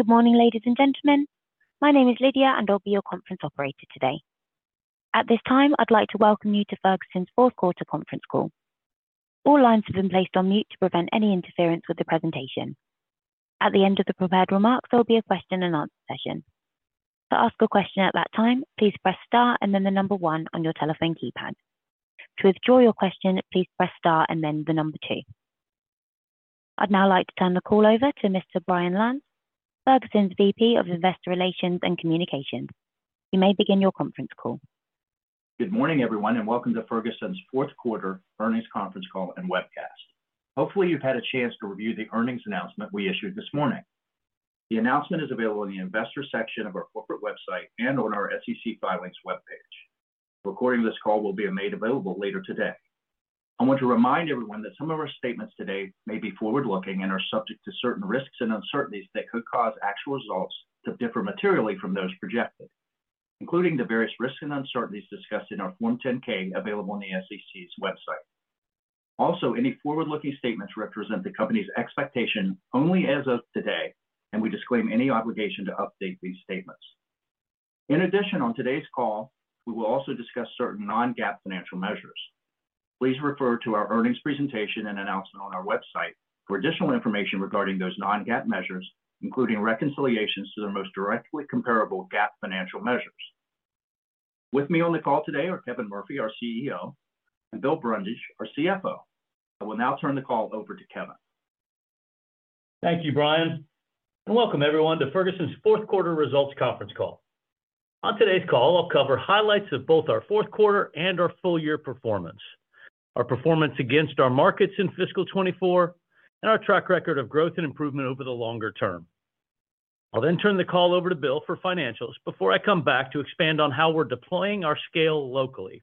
Good morning, ladies and gentlemen. My name is Lydia, and I'll be your conference operator today. At this time, I'd like to welcome you to Ferguson's Q4 Conference Call. All lines have been placed on mute to prevent any interference with the presentation. At the end of the prepared remarks, there will be a question-and-answer session. To ask a question at that time, please press star and then the number one on your telephone keypad. To withdraw your question, please press star and then the number two. I'd now like to turn the call over to Mr. Brian Lantz, Ferguson's VP of Investor Relations and Communications. You may begin your conference call. Good morning, everyone, and welcome to Ferguson's Q4 Earnings Conference Call and Webcast. Hopefully, you've had a chance to review the earnings announcement we issued this morning. The announcement is available in the investor section of our corporate website and on our SEC filings webpage. A recording of this call will be made available later today. I want to remind everyone that some of our statements today may be forward-looking and are subject to certain risks and uncertainties that could cause actual results to differ materially from those projected, including the various risks and uncertainties discussed in our Form 10-K, available on the SEC's website. Also, any forward-looking statements represent the company's expectation only as of today, and we disclaim any obligation to update these statements. In addition, on today's call, we will also discuss certain non-GAAP financial measures. Please refer to our earnings presentation and announcement on our website for additional information regarding those non-GAAP measures, including reconciliations to the most directly comparable GAAP financial measures. With me on the call today are Kevin Murphy, our CEO, and Bill Brundage, our CFO. I will now turn the call over to Kevin. Thank you, Brian, and welcome everyone to Ferguson's Q4 Results Conference Call. On today's call, I'll cover highlights of both our Q4 and our full year performance, our performance against our markets in fiscal 2024, and our track record of growth and improvement over the longer term. I'll then turn the call over to Bill for financials before I come back to expand on how we're deploying our scale locally.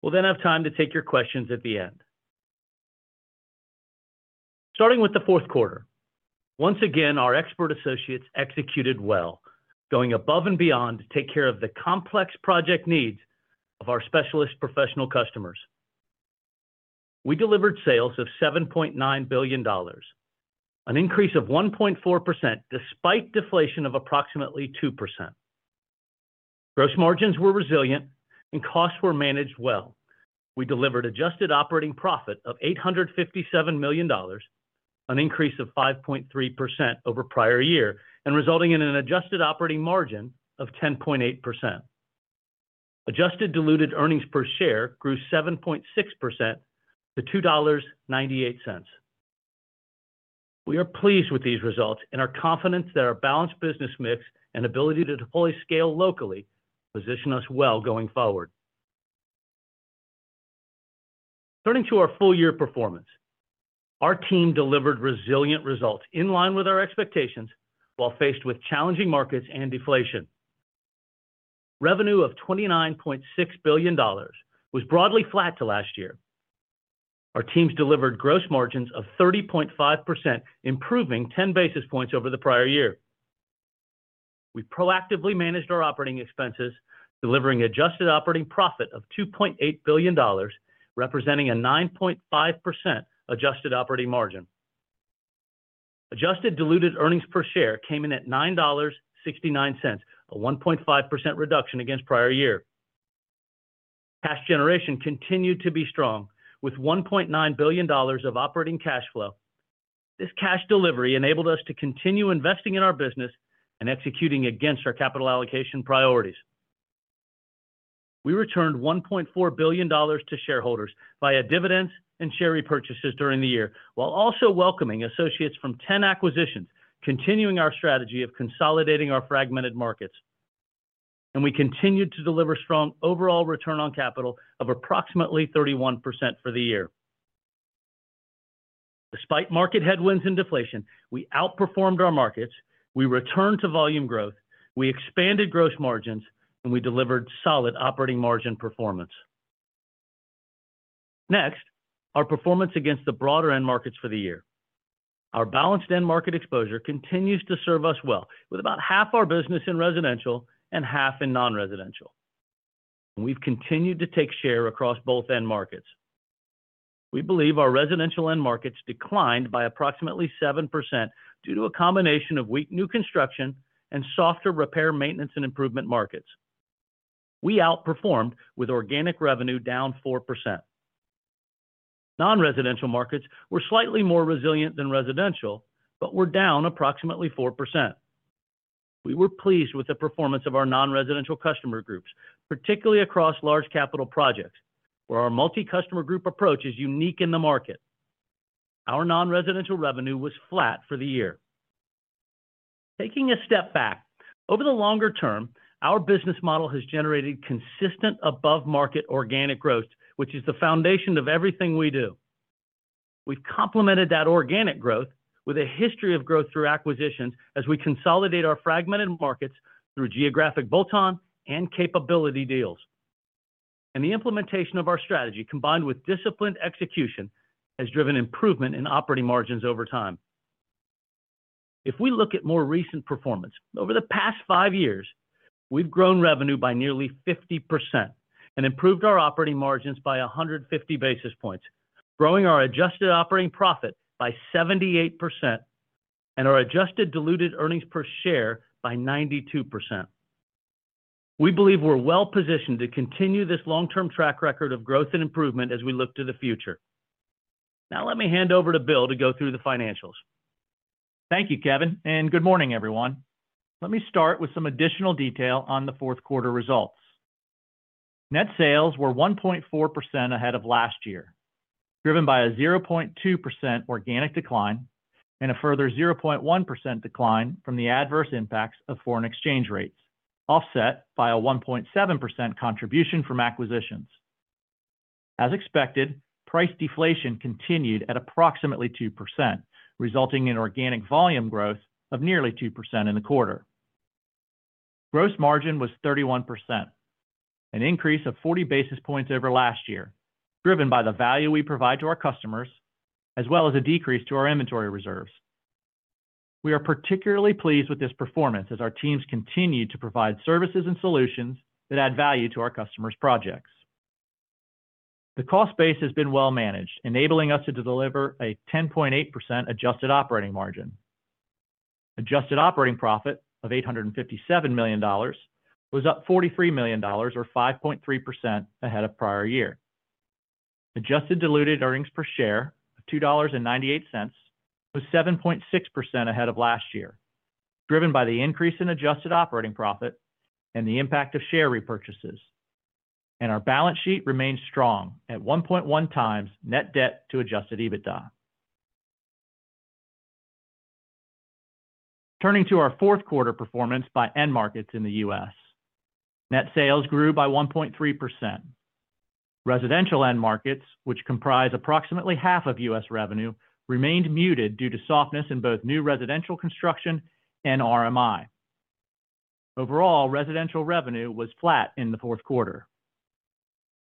We'll then have time to take your questions at the end. Starting with the Q4. Once again, our expert associates executed well, going above and beyond to take care of the complex project needs of our specialist professional customers. We delivered sales of $7.9 billion, an increase of 1.4%, despite deflation of approximately 2%. Gross margins were resilient and costs were managed well. We delivered adjusted operating profit of $857 million, an increase of 5.3% over prior year and resulting in an adjusted operating margin of 10.8%. Adjusted diluted earnings per share grew 7.6% to $2.98. We are pleased with these results and are confident that our balanced business mix and ability to deploy scale locally position us well going forward. Turning to our full-year performance. Our team delivered resilient results in line with our expectations while faced with challenging markets and deflation. Revenue of $29.6 billion was broadly flat to last year. Our teams delivered gross margins of 30.5%, improving ten basis points over the prior year. We proactively managed our operating expenses, delivering adjusted operating profit of $2.8 billion, representing a 9.5% adjusted operating margin. Adjusted diluted earnings per share came in at $9.69, a 1.5% reduction against prior year. Cash generation continued to be strong, with $1.9 billion of operating cash flow. This cash delivery enabled us to continue investing in our business and executing against our capital allocation priorities. We returned $1.4 billion to shareholders via dividends and share repurchases during the year, while also welcoming associates from 10 acquisitions, continuing our strategy of consolidating our fragmented markets. We continued to deliver strong overall return on capital of approximately 31% for the year. Despite market headwinds and deflation, we outperformed our markets, we returned to volume growth, we expanded gross margins, and we delivered solid operating margin performance. Next, our performance against the broader end markets for the year. Our balanced end market exposure continues to serve us well, with about half our business in residential and half in non-residential. We've continued to take share across both end markets. We believe our residential end markets declined by approximately 7% due to a combination of weak new construction and softer repair, maintenance, and improvement markets. We outperformed with organic revenue down 4%. Non-residential markets were slightly more resilient than residential, but were down approximately 4%. We were pleased with the performance of our non-residential customer groups, particularly across large capital projects, where our multi-customer group approach is unique in the market. Our non-residential revenue was flat for the year. Taking a step back, over the longer term, our business model has generated consistent above-market organic growth, which is the foundation of everything we do. We've complemented that organic growth with a history of growth through acquisitions as we consolidate our fragmented markets through geographic bolt-on and capability deals and the implementation of our strategy, combined with disciplined execution, has driven improvement in operating margins over time. If we look at more recent performance, over the past five years. We've grown revenue by nearly 50% and improved our operating margins by 150 basis points, growing our adjusted operating profit by 78% and our adjusted diluted earnings per share by 92%. We believe we're well-positioned to continue this long-term track record of growth and improvement as we look to the future. Now, let me hand over to Bill to go through the financials. Thank you, Kevin, and good morning, everyone. Let me start with some additional detail on the Q4 results. Net sales were 1.4% ahead of last year, driven by a 0.2% organic decline and a further 0.1% decline from the adverse impacts of foreign exchange rates, offset by a 1.7% contribution from acquisitions. As expected, price deflation continued at approximately 2%, resulting in organic volume growth of nearly 2% in the quarter. Gross margin was 31%, an increase of 40 basis points over last year, driven by the value we provide to our customers, as well as a decrease to our inventory reserves. We are particularly pleased with this performance as our teams continue to provide services and solutions that add value to our customers' projects. The cost base has been well managed, enabling us to deliver a 10.8% adjusted operating margin. Adjusted operating profit of $857 million was up $43 million or 5.3% ahead of prior year. Adjusted diluted earnings per share of $2.98 was 7.6% ahead of last year, driven by the increase in adjusted operating profit and the impact of share repurchases, and our balance sheet remains strong at 1.1x net debt to adjusted EBITDA. Turning to our Q4 performance by end markets in the U.S. Net sales grew by 1.3%. Residential end markets, which comprise approximately half of U.S. revenue, remained muted due to softness in both new residential construction and RMI. Overall, residential revenue was flat in the Q4.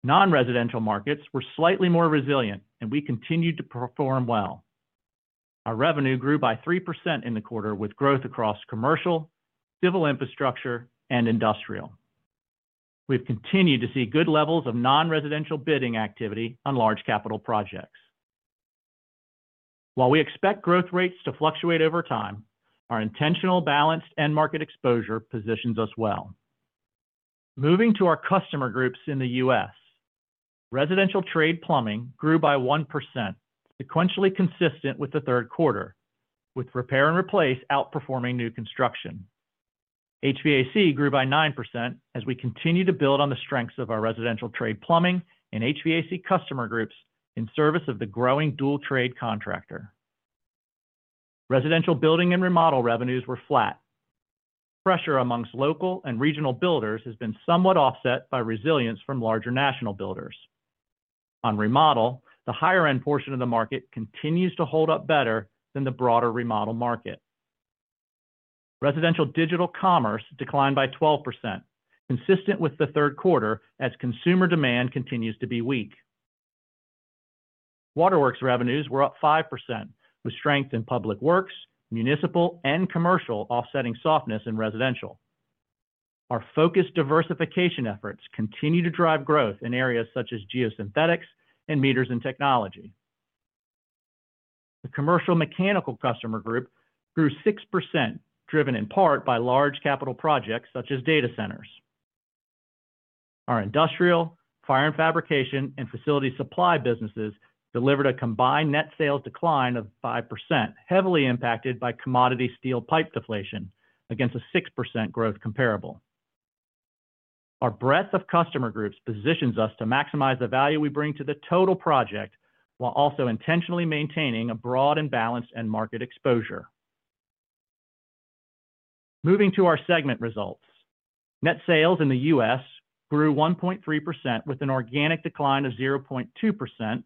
Non-residential markets were slightly more resilient, and we continued to perform well. Our revenue grew by 3% in the quarter, with growth across commercial, civil infrastructure, and industrial. We've continued to see good levels of non-residential bidding activity on large capital projects. While we expect growth rates to fluctuate over time, our intentional balanced end market exposure positions us well. Moving to our Customer Groups in the U.S., Residential Trade Plumbing grew by 1%, sequentially consistent with the Q3, with repair and replace outperforming new construction. HVAC grew by 9% as we continue to build on the strengths Residential Trade Plumbing and HVAC customer groups in service of the growing dual-trade contractor. Residential Building and Remodel revenues were flat. Pressure amongst local and regional builders has been somewhat offset by resilience from larger national builders. On remodel, the higher-end portion of the market continues to hold up better than the broader remodel market. Residential Digital Commerce declined by 12%, consistent with the Q3, as consumer demand continues to be weak. Waterworks revenues were up 5%, with strength in public works, municipal, and commercial offsetting softness in residential. Our focused diversification efforts continue to drive growth in areas such as geosynthetics and meters and technology. The Commercial/Mechanical customer group grew 6%, driven in part by large capital projects such as data centers. Our Industrial, Fire & Fabrication, and Facilities Supply businesses delivered a combined net sales decline of 5%, heavily impacted by commodity steel pipe deflation against a 6% growth comparable. Our breadth of customer groups positions us to maximize the value we bring to the total project, while also intentionally maintaining a broad and balanced end market exposure. Moving to our segment results. Net sales in the U.S. grew 1.3% with an organic decline of 0.2%,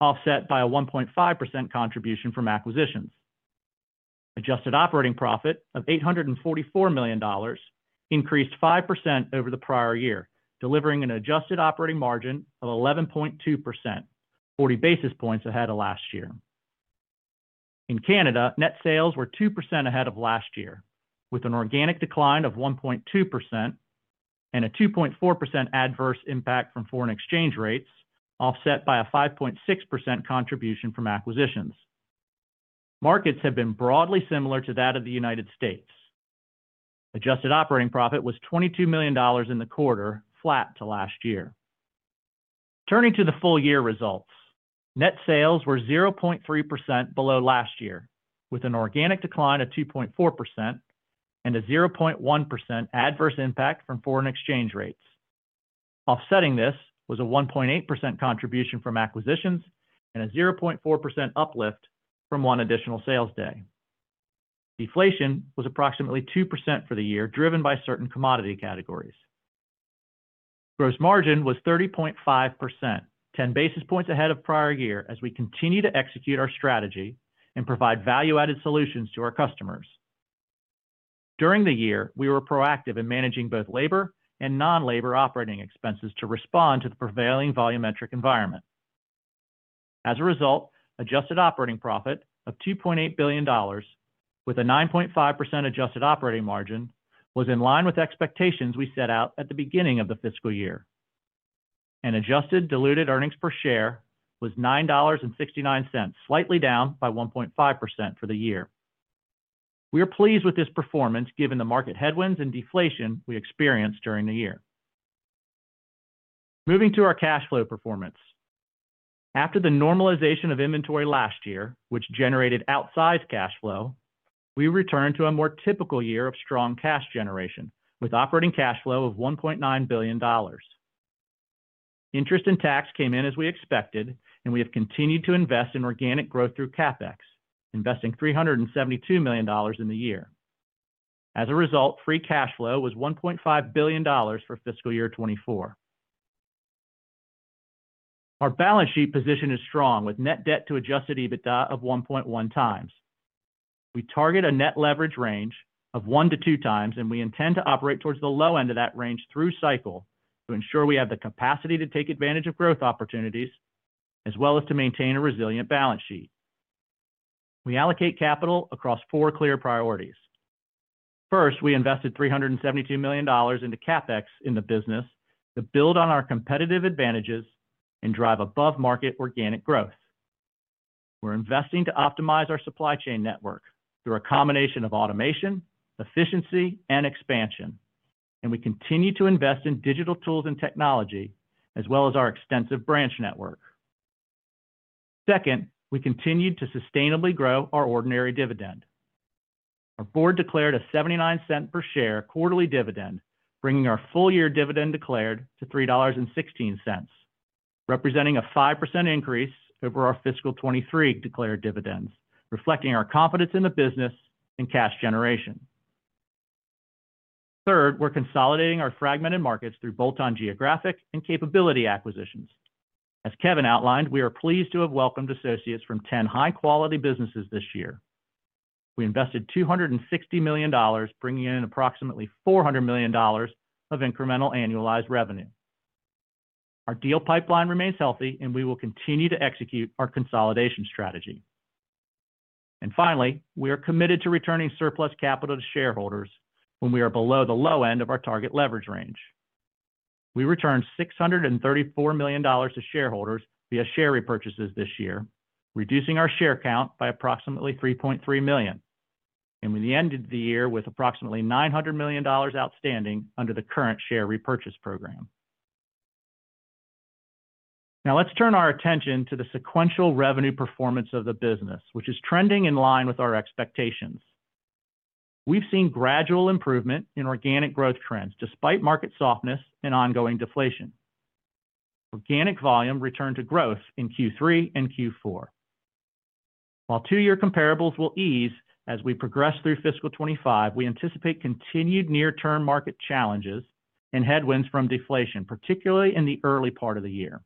offset by a 1.5% contribution from acquisitions. Adjusted operating profit of $844 million increased 5% over the prior year, delivering an adjusted operating margin of 11.2%, 40 basis points ahead of last year. In Canada, net sales were 2% ahead of last year, with an organic decline of 1.2% and a 2.4% adverse impact from foreign exchange rates, offset by a 5.6% contribution from acquisitions. Markets have been broadly similar to that of the United States. Adjusted operating profit was $22 million in the quarter, flat to last year. Turning to the full year results, net sales were 0.3% below last year, with an organic decline of 2.4% and a 0.1% adverse impact from foreign exchange rates. Offsetting this was a 1.8% contribution from acquisitions and a 0.4% uplift from one additional sales day. Deflation was approximately 2% for the year, driven by certain commodity categories. Gross margin was 30.5%, 10 basis points ahead of prior year as we continue to execute our strategy and provide value-added solutions to our customers. During the year, we were proactive in managing both labor and non-labor operating expenses to respond to the prevailing volumetric environment. As a result, adjusted operating profit of $2.8 billion, with a 9.5% adjusted operating margin, was in line with expectations we set out at the beginning of the fiscal year, and adjusted diluted earnings per share was $9.69, slightly down by 1.5% for the year. We are pleased with this performance, given the market headwinds and deflation we experienced during the year. Moving to our cash flow performance. After the normalization of inventory last year, which generated outsized cash flow, we returned to a more typical year of strong cash generation, with operating cash flow of $1.9 billion. Interest and tax came in as we expected, and we have continued to invest in organic growth through CapEx, investing $372 million in the year. As a result, free cash flow was $1.5 billion for fiscal year 2024. Our balance sheet position is strong, with net debt to adjusted EBITDA of 1.1x. We target a net leverage range of 1-2x, and we intend to operate towards the low end of that range through cycle to ensure we have the capacity to take advantage of growth opportunities, as well as to maintain a resilient balance sheet. We allocate capital across four clear priorities. First, we invested $372 million into CapEx in the business to build on our competitive advantages and drive above-market organic growth. We're investing to optimize our supply chain network through a combination of automation, efficiency, and expansion, and we continue to invest in digital tools and technology, as well as our extensive branch network. Second, we continued to sustainably grow our ordinary dividend. Our Board declared a $0.79 per share quarterly dividend, bringing our full-year dividend declared to $3.16, representing a 5% increase over our fiscal 2023 declared dividends, reflecting our confidence in the business and cash generation. Third, we're consolidating our fragmented markets through bolt-on geographic and capability acquisitions. As Kevin outlined, we are pleased to have welcomed associates from 10 high-quality businesses this year. We invested $260 million, bringing in approximately $400 million of incremental annualized revenue. Our deal pipeline remains healthy, and we will continue to execute our consolidation strategy. Finally, we are committed to returning surplus capital to shareholders when we are below the low end of our target leverage range. We returned $634 million to shareholders via share repurchases this year, reducing our share count by approximately 3.3 million, and we ended the year with approximately $900 million outstanding under the current share repurchase program. Now, let's turn our attention to the sequential revenue performance of the business, which is trending in line with our expectations. We've seen gradual improvement in organic growth trends, despite market softness and ongoing deflation. Organic volume returned to growth in Q3 and Q4. While two-year comparables will ease as we progress through fiscal 2025, we anticipate continued near-term market challenges and headwinds from deflation, particularly in the early part of the year.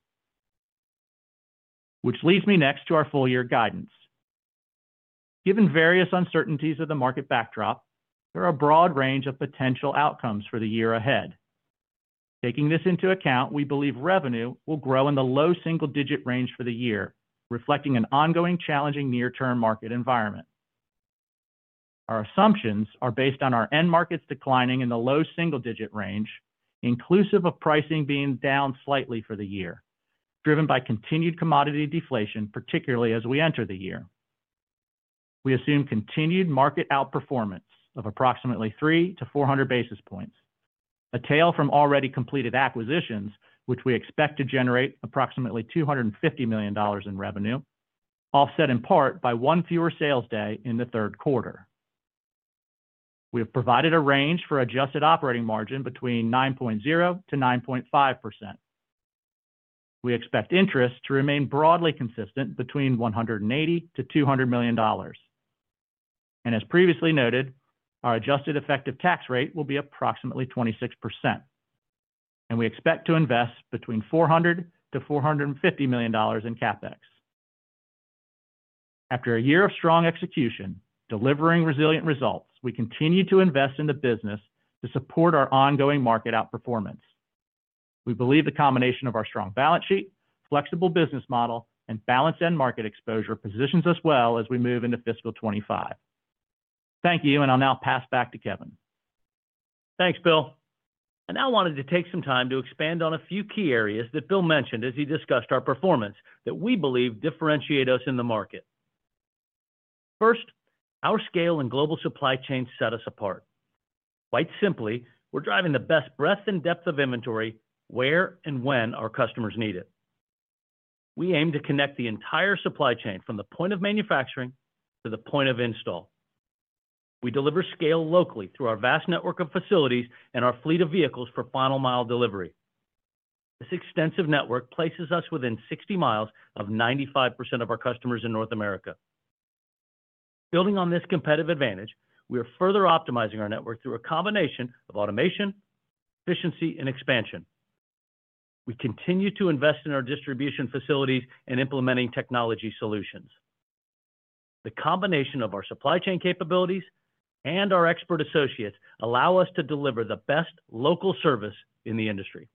Which leads me next to our full-year guidance. Given various uncertainties of the market backdrop, there are a broad range of potential outcomes for the year ahead. Taking this into account, we believe revenue will grow in the low single-digit range for the year, reflecting an ongoing, challenging near-term market environment. Our assumptions are based on our end markets declining in the low double-digit range, inclusive of pricing being down slightly for the year, driven by continued commodity deflation, particularly as we enter the year. We assume continued market outperformance of approximately 300 basis points-400 basis points, a tail from already completed acquisitions, which we expect to generate approximately $250 million in revenue, offset in part by one fewer sales day in the Q3. We have provided a range for adjusted operating margin between 9.0%-9.5%. We expect interest to remain broadly consistent between $180 million-$200 million. And as previously noted, our adjusted effective tax rate will be approximately 26%, and we expect to invest between $400 million-$450 million in CapEx. After a year of strong execution, delivering resilient results, we continue to invest in the business to support our ongoing market outperformance. We believe the combination of our strong balance sheet, flexible business model, and balanced end market exposure positions us well as we move into fiscal 2025. Thank you, and I'll now pass back to Kevin. Thanks, Bill. I now wanted to take some time to expand on a few key areas that Bill mentioned as he discussed our performance that we believe differentiate us in the market. First, our scale and global supply chain set us apart. Quite simply, we're driving the best breadth and depth of inventory where and when our customers need it. We aim to connect the entire supply chain from the point of manufacturing to the point of install. We deliver scale locally through our vast network of facilities and our fleet of vehicles for final mile delivery. This extensive network places us within 60 mi of 95% of our customers in North America. Building on this competitive advantage, we are further optimizing our network through a combination of automation, efficiency, and expansion. We continue to invest in our distribution facilities and implementing technology solutions. The combination of our supply chain capabilities and our expert associates allow us to deliver the best local service in the industry.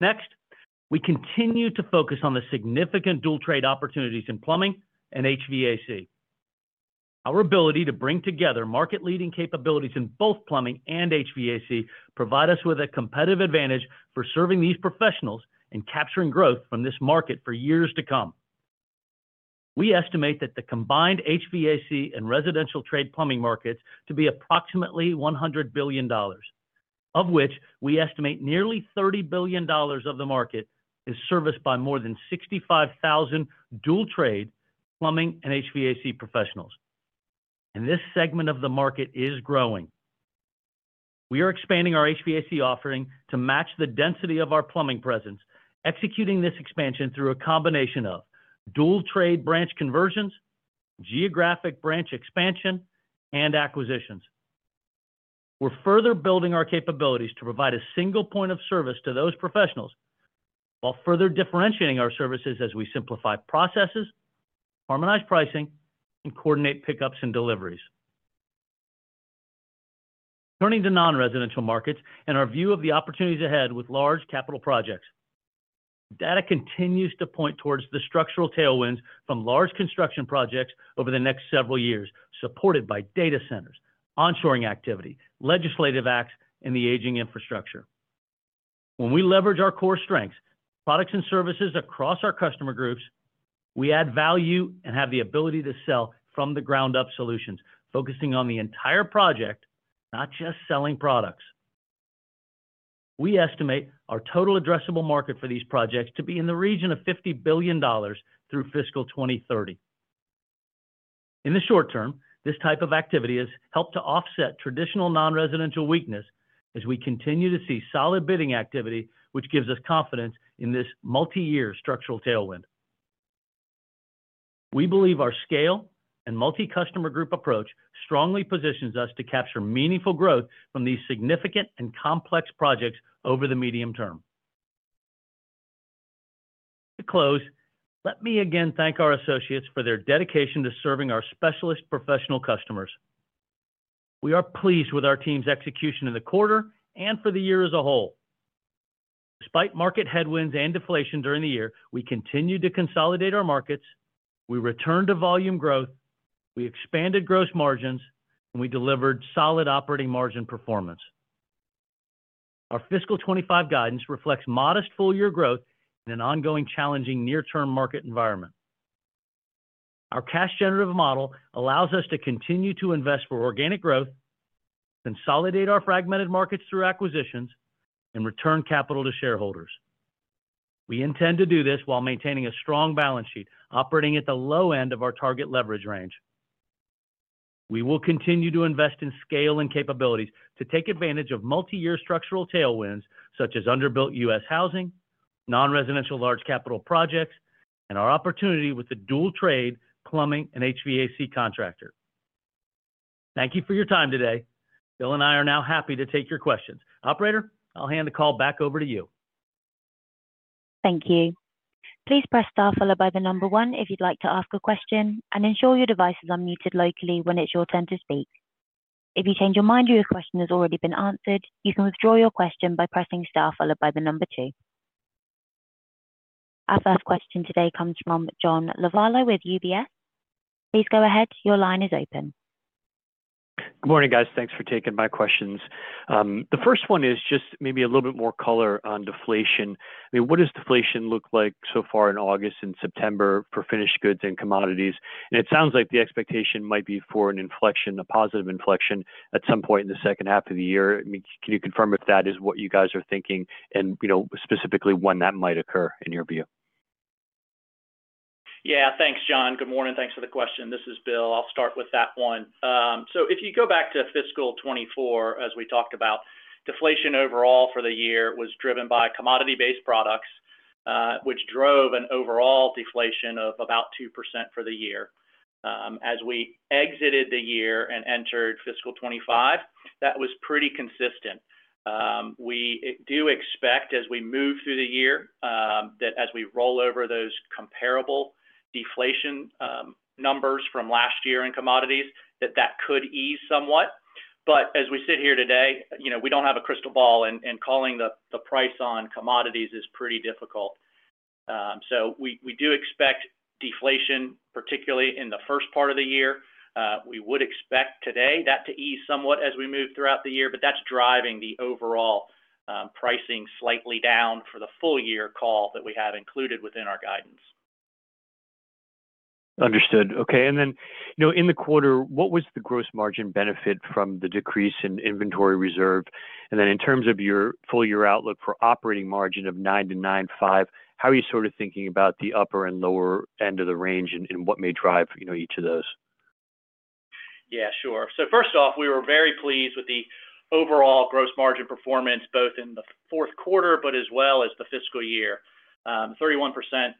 Next, we continue to focus on the significant dual-trade opportunities in Plumbing and HVAC. Our ability to bring together market-leading capabilities in both Plumbing and HVAC provide us with a competitive advantage for serving these professionals and capturing growth from this market for years to come. We estimate that the combined Residential Trade Plumbing markets to be approximately $100 billion, of which we estimate nearly $30 billion of the market is serviced by more than 65,000 dual-trade plumbing and HVAC professionals, and this segment of the market is growing. We are expanding our HVAC offering to match the density of our plumbing presence, executing this expansion through a combination of dual-trade branch conversions, geographic branch expansion, and acquisitions. We're further building our capabilities to provide a single point of service to those professionals while further differentiating our services as we simplify processes, harmonize pricing, and coordinate pickups and deliveries. Turning to non-residential markets and our view of the opportunities ahead with large capital projects. Data continues to point towards the structural tailwinds from large construction projects over the next several years, supported by data centers, onshoring activity, legislative acts, and the aging infrastructure. When we leverage our core strengths, products and services across our customer groups, we add value and have the ability to sell from the ground up solutions, focusing on the entire project, not just selling products. We estimate our total addressable market for these projects to be in the region of $50 billion through fiscal 2030. In the short term, this type of activity has helped to offset traditional non-residential weakness as we continue to see solid bidding activity, which gives us confidence in this multi-year structural tailwind. We believe our scale and multi-customer group approach strongly positions us to capture meaningful growth from these significant and complex projects over the medium term. To close, let me again thank our associates for their dedication to serving our specialist professional customers. We are pleased with our team's execution in the quarter and for the year as a whole. Despite market headwinds and deflation during the year, we continued to consolidate our markets, we returned to volume growth, we expanded gross margins, and we delivered solid operating margin performance. Our fiscal 2025 guidance reflects modest full-year growth in an ongoing, challenging, near-term market environment. Our cash generative model allows us to continue to invest for organic growth, consolidate our fragmented markets through acquisitions, and return capital to shareholders. We intend to do this while maintaining a strong balance sheet, operating at the low end of our target leverage range. We will continue to invest in scale and capabilities to take advantage of multi-year structural tailwinds, such as underbuilt U.S. housing, non-residential large capital projects, and our opportunity with the dual-trade, plumbing and HVAC contractor. Thank you for your time today. Bill and I are now happy to take your questions. Operator, I'll hand the call back over to you. Thank you. Please press star followed by the number one if you'd like to ask a question, and ensure your devices are muted locally when it's your turn to speak. If you change your mind or your question has already been answered, you can withdraw your question by pressing star followed by the number two. Our first question today comes from John Lovallo with UBS. Please go ahead. Your line is open. Good morning, guys. Thanks for taking my questions. The first one is just maybe a little bit more color on deflation. I mean, what does deflation look like so far in August and September for finished goods and commodities? And it sounds like the expectation might be for an inflection, a positive inflection, at some point in the second half of the year. I mean, can you confirm if that is what you guys are thinking, and, you know, specifically when that might occur, in your view? Yeah, thanks, John. Good morning, and thanks for the question. This is Bill. I'll start with that one. So if you go back to fiscal 2024, as we talked about, deflation overall for the year was driven by commodity-based products, which drove an overall deflation of about 2% for the year. As we exited the year and entered fiscal 2025, that was pretty consistent. We do expect, as we move through the year, that as we roll over those comparable deflation numbers from last year in commodities, that that could ease somewhat. But as we sit here today, you know, we don't have a crystal ball, and calling the price on commodities is pretty difficult. So we do expect deflation, particularly in the first part of the year. We would expect today that to ease somewhat as we move throughout the year, but that's driving the overall pricing slightly down for the full year call that we have included within our guidance. Understood. Okay, and then, you know, in the quarter, what was the gross margin benefit from the decrease in inventory reserve? And then in terms of your full year outlook for operating margin of 9%-9.5%, how are you sort of thinking about the upper and lower end of the range and, and what may drive, you know, each of those? Yeah, sure. So first off, we were very pleased with the overall gross margin performance, both in the Q4, but as well as the fiscal year. 31%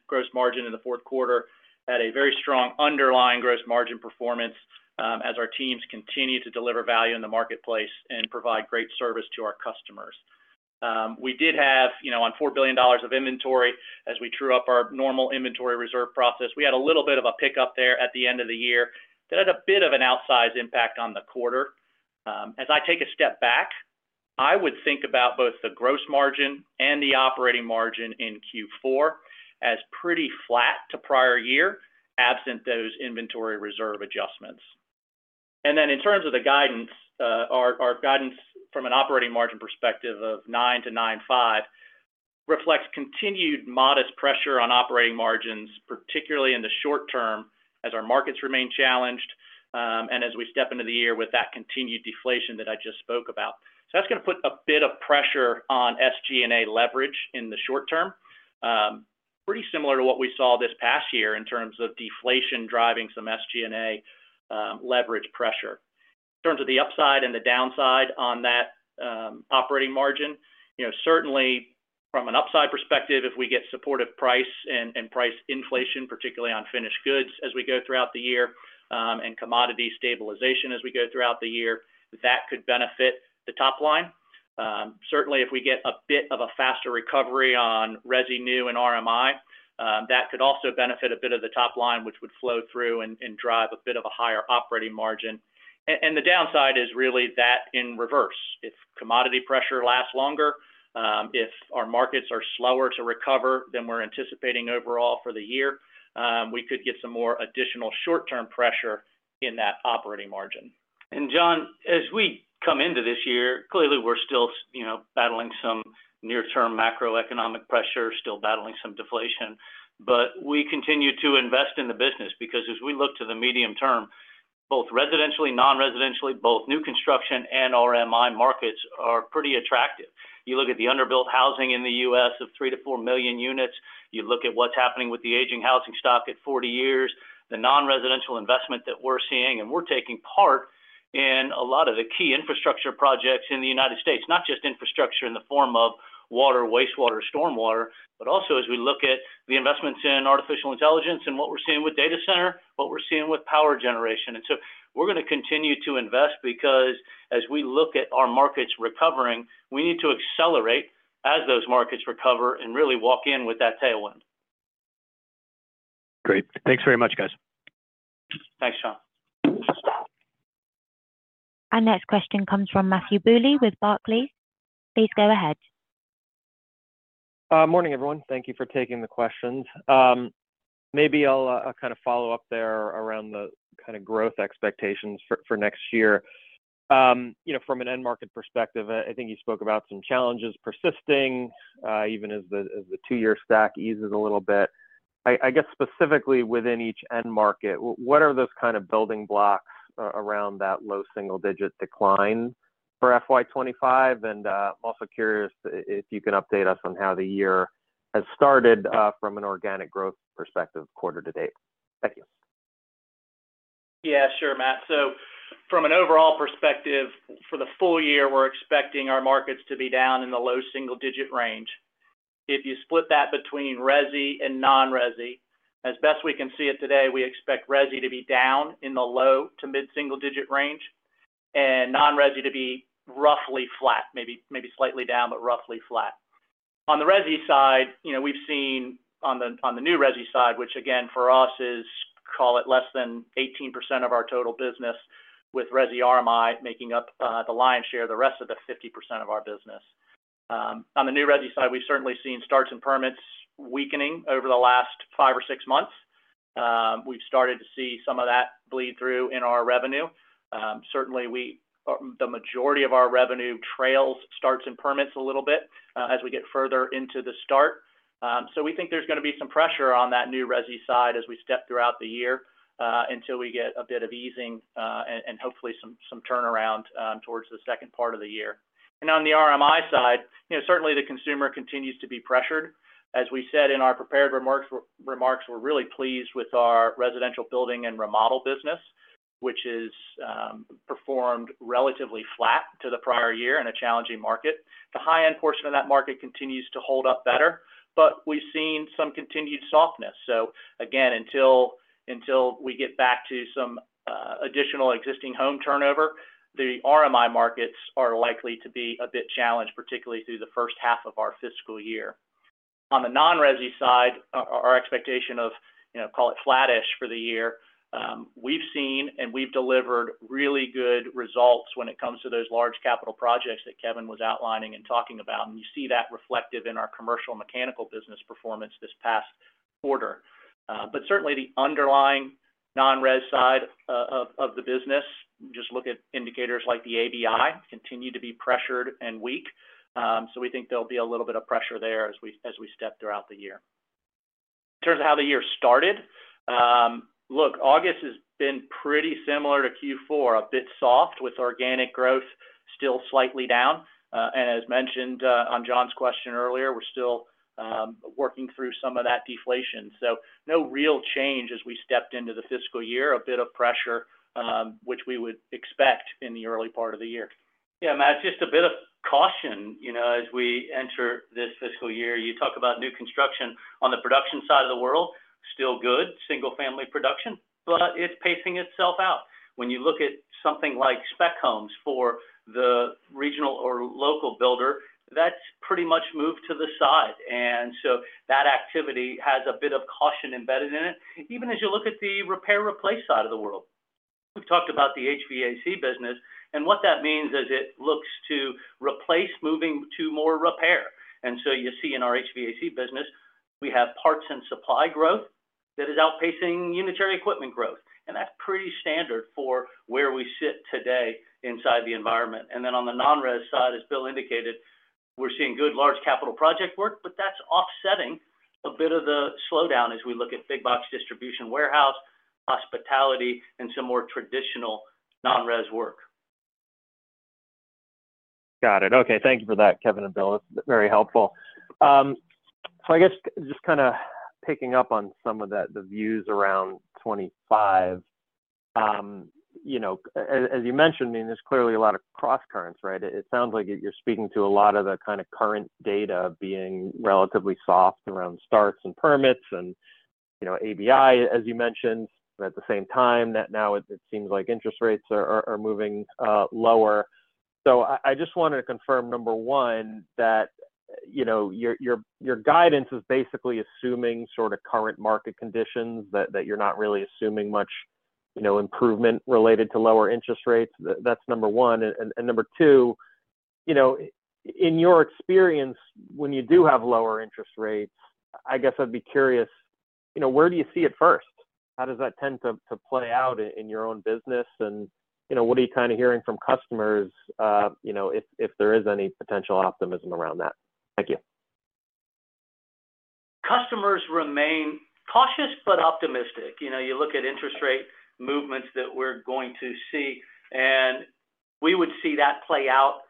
gross margin in the Q4 had a very strong underlying gross margin performance, as our teams continue to deliver value in the marketplace and provide great service to our customers. We did have, you know, on $4 billion of inventory as we true up our normal inventory reserve process. We had a little bit of a pickup there at the end of the year that had a bit of an outsized impact on the quarter. As I take a step back, I would think about both the gross margin and the operating margin in Q4 as pretty flat to prior year, absent those inventory reserve adjustments. And then in terms of the guidance, our guidance from an operating margin perspective of 9%-9.5% reflects continued modest pressure on operating margins, particularly in the short term, as our markets remain challenged, and as we step into the year with that continued deflation that I just spoke about. So that's gonna put a bit of pressure on SG&A leverage in the short term. Pretty similar to what we saw this past year in terms of deflation, driving some SG&A leverage pressure. In terms of the upside and the downside on that operating margin, you know, certainly from an upside perspective, if we get supportive price and price inflation, particularly on finished goods as we go throughout the year, and commodity stabilization as we go throughout the year, that could benefit the top line. Certainly, if we get a bit of a faster recovery on resi new and RMI, that could also benefit a bit of the top line, which would flow through and drive a bit of a higher operating margin. The downside is really that in reverse. If commodity pressure lasts longer, if our markets are slower to recover than we're anticipating overall for the year, we could get some more additional short-term pressure in that operating margin. And John, as we come into this year, clearly, we're still, you know, battling some near-term macroeconomic pressures, still battling some deflation. But we continue to invest in the business because as we look to the medium term, both residentially, non-residentially, both new construction and RMI markets are pretty attractive. You look at the underbuilt housing in the U.S. of 3 million-4 million units, you look at what's happening with the aging housing stock at forty years, the non-residential investment that we're seeing, and we're taking part in a lot of the key infrastructure projects in the United States. Not just infrastructure in the form of water, wastewater, stormwater, but also as we look at the investments in artificial intelligence and what we're seeing with data center, what we're seeing with power generation. So we're gonna continue to invest because as we look at our markets recovering, we need to accelerate as those markets recover and really walk in with that tailwind. Great. Thanks very much, guys. Thanks, John. Our next question comes from Matthew Bouley with Barclays. Please go ahead. Morning, everyone. Thank you for taking the questions. Maybe I'll kind of follow up there around the kind of growth expectations for next year. You know, from an end market perspective, I think you spoke about some challenges persisting even as the two-year stack eases a little bit. I guess, specifically within each end market, what are those kind of building blocks around that low single-digit decline for FY 2025? And I'm also curious if you can update us on how the year has started from an organic growth perspective quarter to date. Thank you. Yeah, sure, Matt. So from an overall perspective, for the full year, we're expecting our markets to be down in the low single-digit range. If you split that between resi and non-resi, as best we can see it today, we expect resi to be down in the low-to-mid single-digit range, and non-resi to be roughly flat, maybe, maybe slightly down, but roughly flat. On the resi side, you know, we've seen on the, on the new resi side, which again, for us, is call it less than 18% of our total business, with resi RMI making up the lion's share, the rest of the 50% of our business. On the new resi side, we've certainly seen starts and permits weakening over the last five or six months. We've started to see some of that bleed through in our revenue. Certainly, we-- the majority of our revenue trails, starts and permits a little bit, as we get further into the start. So we think there's gonna be some pressure on that new resi side as we step throughout the year, until we get a bit of easing, and, and hopefully some, some turnaround, towards the second part of the year. On the RMI side, you know, certainly the consumer continues to be pressured. As we said in our prepared remarks, we're really pleased with our Residential Building and Remodel business, which is, performed relatively flat to the prior year in a challenging market. The high-end portion of that market continues to hold up better, but we've seen some continued softness. So again, until we get back to some additional existing home turnover, the RMI markets are likely to be a bit challenged, particularly through the first half of our fiscal year. On the non-resi side, our expectation of, you know, call it flattish for the year, we've seen and we've delivered really good results when it comes to those large capital projects that Kevin was outlining and talking about, and you see that reflective in our Commercial/Mechanical business performance this past quarter. But certainly, the underlying non-res side of the business, just look at indicators like the ABI, continue to be pressured and weak. So we think there'll be a little bit of pressure there as we step throughout the year. In terms of how the year started, August has been pretty similar to Q4, a bit soft, with organic growth still slightly down, and as mentioned on John's question earlier, we're still working through some of that deflation, so no real change as we stepped into the fiscal year, a bit of pressure, which we would expect in the early part of the year. Yeah, Matt, just a bit of caution, you know, as we enter this fiscal year. You talk about new construction on the production side of the world... still good single family production, but it's pacing itself out. When you look at something like spec homes for the regional or local builder, that's pretty much moved to the side, and so that activity has a bit of caution embedded in it. Even as you look at the repair replace side of the world. We've talked about the HVAC business, and what that means is it looks to replace, moving to more repair. And so you see in our HVAC business, we have parts and supply growth that is outpacing unitary equipment growth, and that's pretty standard for where we sit today inside the environment. Then on the non-res side, as Bill indicated, we're seeing good large capital project work, but that's offsetting a bit of the slowdown as we look at big box distribution, warehouse, hospitality, and some more traditional non-res work. Got it. Okay, thank you for that, Kevin and Bill. It's very helpful, so I guess just kinda picking up on some of that, the views around 2025. You know, as you mentioned, I mean, there's clearly a lot of cross currents, right? It sounds like you're speaking to a lot of the kind of current data being relatively soft around starts and permits and, you know, ABI, as you mentioned, but at the same time, now it seems like interest rates are moving lower. So I just wanted to confirm, number one, that, you know, your guidance is basically assuming sort of current market conditions, that you're not really assuming much, you know, improvement related to lower interest rates. That's number one. Number two, you know, in your experience, when you do have lower interest rates, I guess I'd be curious, you know, where do you see it first? How does that tend to play out in your own business? You know, what are you kind of hearing from customers, you know, if there is any potential optimism around that? Thank you. Customers remain cautious but optimistic. You know, you look at interest rate movements that we're going to see, and we would see that play out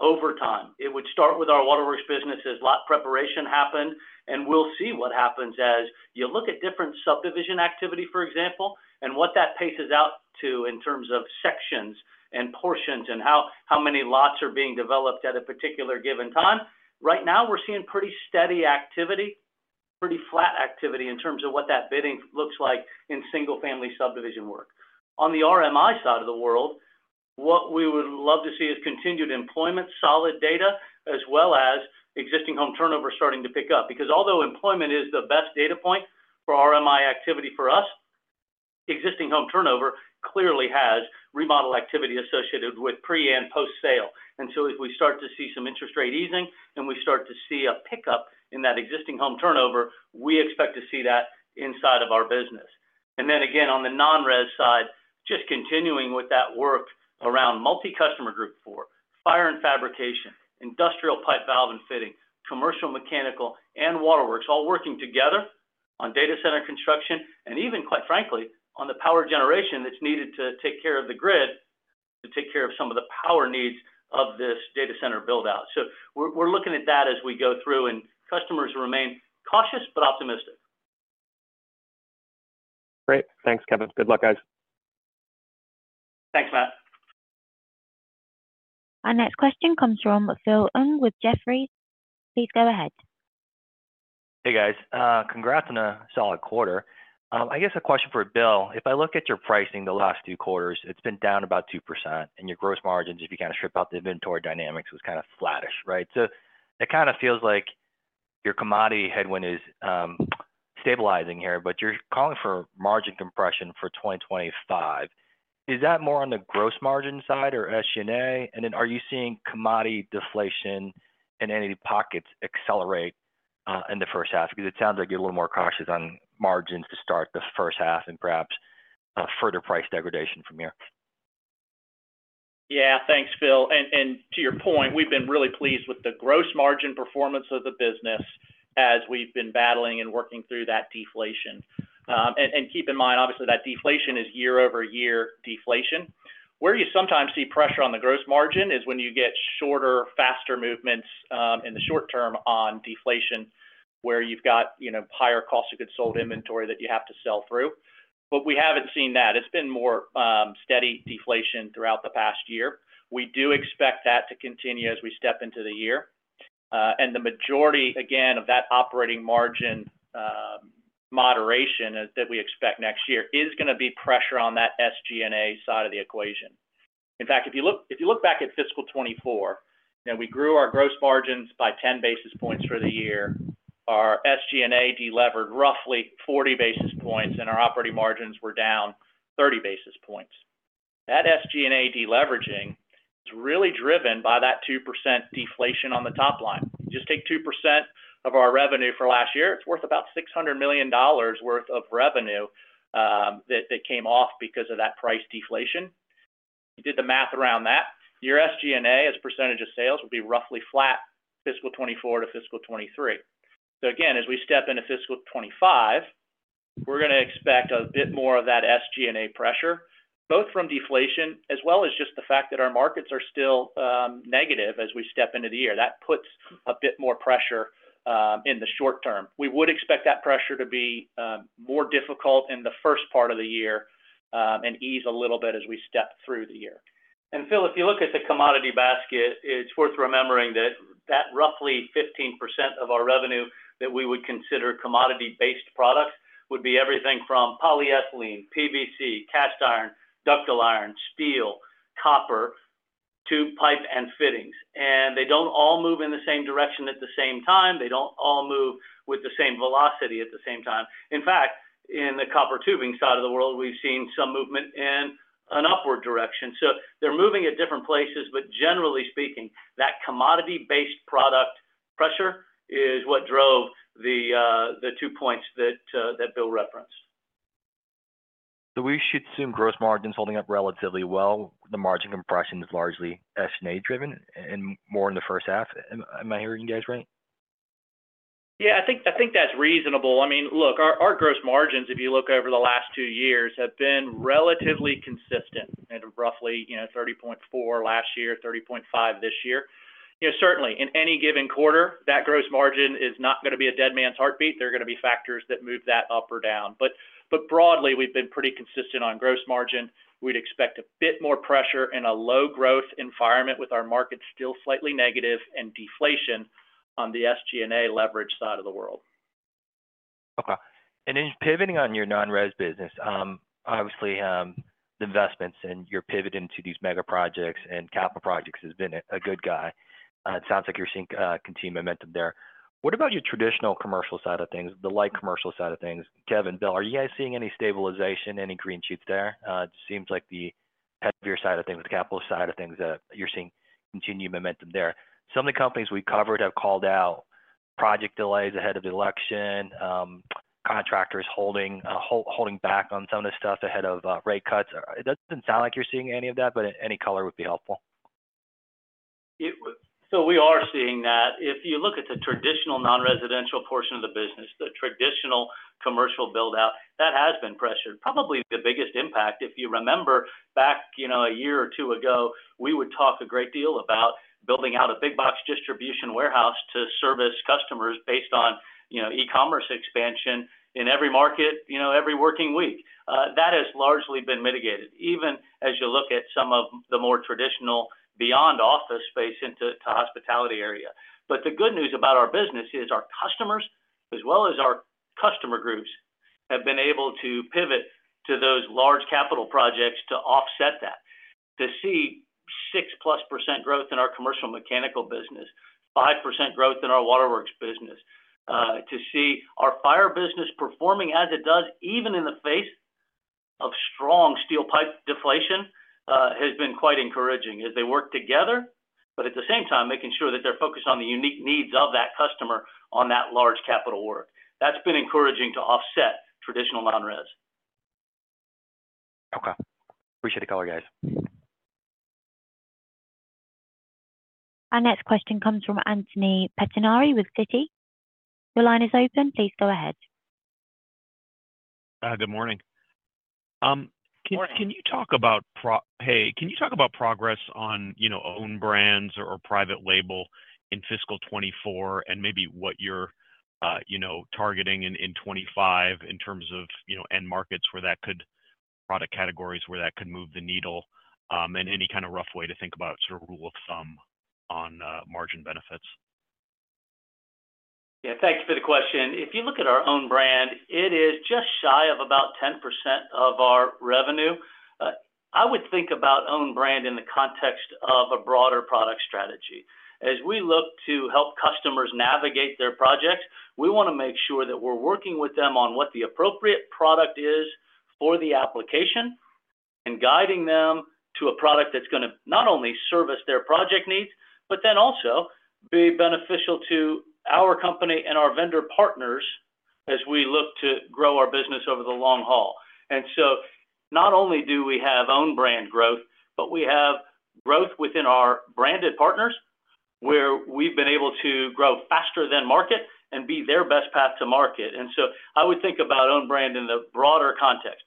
over time. It would start with our Waterworks business as lot preparation happened, and we'll see what happens as you look at different subdivision activity, for example, and what that paces out to in terms of sections and portions and how, how many lots are being developed at a particular given time. Right now, we're seeing pretty steady activity, pretty flat activity in terms of what that bidding looks like in single family subdivision work. On the RMI side of the world, what we would love to see is continued employment, solid data, as well as existing home turnover starting to pick up. Because although employment is the best data point for RMI activity for us, existing home turnover clearly has remodel activity associated with pre- and post-sale. And so as we start to see some interest rate easing, and we start to see a pickup in that existing home turnover, we expect to see that inside of our business. And then again, on the non-res side, just continuing with that work around multi-customer group four, Fire & Fabrication, Industrial pipe, valve, and fitting, Commercial/Mechanical, and Waterworks, all working together on data center construction, and even, quite frankly, on the power generation that's needed to take care of the grid, to take care of some of the power needs of this data center build-out. So we're, we're looking at that as we go through, and customers remain cautious but optimistic. Great. Thanks, Kevin. Good luck, guys. Thanks, Matt. Our next question comes from Phil Ng with Jefferies. Please go ahead. Hey, guys. Congrats on a solid quarter. I guess a question for Bill: If I look at your pricing the last two quarters, it's been down about 2%, and your gross margins, if you kind of strip out the inventory dynamics, was kind of flattish, right? So it kind of feels like your commodity headwind is stabilizing here, but you're calling for margin compression for 2025. Is that more on the gross margin side or SG&A? And then are you seeing commodity deflation in any pockets accelerate in the first half? Because it sounds like you're a little more cautious on margins to start the first half and perhaps further price degradation from here. Yeah. Thanks, Phil and to your point, we've been really pleased with the gross margin performance of the business as we've been battling and working through that deflation. Keep in mind, obviously, that deflation is year-over-year deflation. Where you sometimes see pressure on the gross margin is when you get shorter, faster movements in the short term on deflation, where you've got, you know, higher cost of goods sold inventory that you have to sell through. But we haven't seen that. It's been more steady deflation throughout the past year. We do expect that to continue as we step into the year. And the majority, again, of that operating margin moderation that we expect next year is gonna be pressure on that SG&A side of the equation. In fact, if you look back at fiscal 2024, and we grew our gross margins by 10 basis points for the year, our SG&A delevered roughly 40 basis points, and our operating margins were down 30 basis points. That SG&A deleveraging is really driven by that 2% deflation on the top line. Just take 2% of our revenue for last year, it's worth about $600 million worth of revenue, that came off because of that price deflation. You did the math around that, your SG&A, as a percentage of sales, would be roughly flat fiscal 2024 to fiscal 2023. So again, as we step into fiscal 2025, we're gonna expect a bit more of that SG&A pressure, both from deflation as well as just the fact that our markets are still negative as we step into the year. That puts a bit more pressure in the short term. We would expect that pressure to be more difficult in the first part of the year and ease a little bit as we step through the year and Phil, if you look at the commodity basket, it's worth remembering that roughly 15% of our revenue that we would consider commodity-based products would be everything from polyethylene, PVC, cast iron, ductile iron, steel, copper, tube, pipe, and fittings. They don't all move in the same direction at the same time, they don't all move with the same velocity at the same time. In fact, in the copper tubing side of the world, we've seen some movement in an upward direction. So they're moving at different places, but generally speaking, that commodity-based product pressure is what drove the two points that Bill referenced. So we should assume gross margins holding up relatively well, the margin compression is largely S&A driven and more in the first half. Am I hearing you guys right? Yeah, I think that's reasonable. I mean, look, our gross margins, if you look over the last two years, have been relatively consistent at roughly, you know, 30.4% last year, 30.5% this year. You know, certainly, in any given quarter, that gross margin is not gonna be a dead man's heartbeat. There are gonna be factors that move that up or down. But broadly, we've been pretty consistent on gross margin. We'd expect a bit more pressure in a low growth environment, with our market still slightly negative and deflation on the SG&A leverage side of the world. Okay and then pivoting on your non-res business, obviously, the investments and your pivot into these mega projects and capital projects has been a good guy. It sounds like you're seeing continued momentum there. What about your traditional commercial side of things, the light commercial side of things? Kevin, Bill, are you guys seeing any stabilization, any green shoots there? It seems like the heavier side of things, the capital side of things, that you're seeing continued momentum there. Some of the companies we've covered have called out project delays ahead of the election, contractors holding back on some of this stuff ahead of rate cuts. It doesn't sound like you're seeing any of that, but any color would be helpful. So we are seeing that. If you look at the traditional non-residential portion of the business, the traditional commercial build-out, that has been pressured. Probably the biggest impact, if you remember back, you know, a year or two ago, we would talk a great deal about building out a big box distribution warehouse to service customers based on, you know, e-commerce expansion in every market, you know, everywhere we work. That has largely been mitigated, even as you look at some of the more traditional beyond office space into the hospitality area. But the good news about our business is our customers, as well as our customer groups, have been able to pivot to those large capital projects to offset that. To see 6+ percent growth in our Commercial/Mechanical business, 5% growth in our Waterworks business, to see our Fire business performing as it does, even in the face of strong steel pipe deflation, has been quite encouraging as they work together, but at the same time making sure that they're focused on the unique needs of that customer on that large capital work. That's been encouraging to offset traditional non-res. Okay. Appreciate the color, guys. Our next question comes from Anthony Pettinari with Citi. Your line is open. Please go ahead. Good morning. Morning. Can you talk about progress on, you know, own brands or private label in fiscal 2024, and maybe what you're, you know, targeting in 2025 in terms of, you know, end markets where that could... product categories, where that could move the needle, and any kind of rough way to think about sort of rule of thumb on, margin benefits? Yeah. Thank you for the question. If you look at our own brand, it is just shy of about 10% of our revenue. I would think about own brand in the context of a broader product strategy. As we look to help customers navigate their projects, we wanna make sure that we're working with them on what the appropriate product is for the application, and guiding them to a product that's gonna not only service their project needs, but then also be beneficial to our company and our vendor partners as we look to grow our business over the long haul. So not only do we have own brand growth, but we have growth within our branded partners, where we've been able to grow faster than market and be their best path to market and so I would think about own brand in the broader context.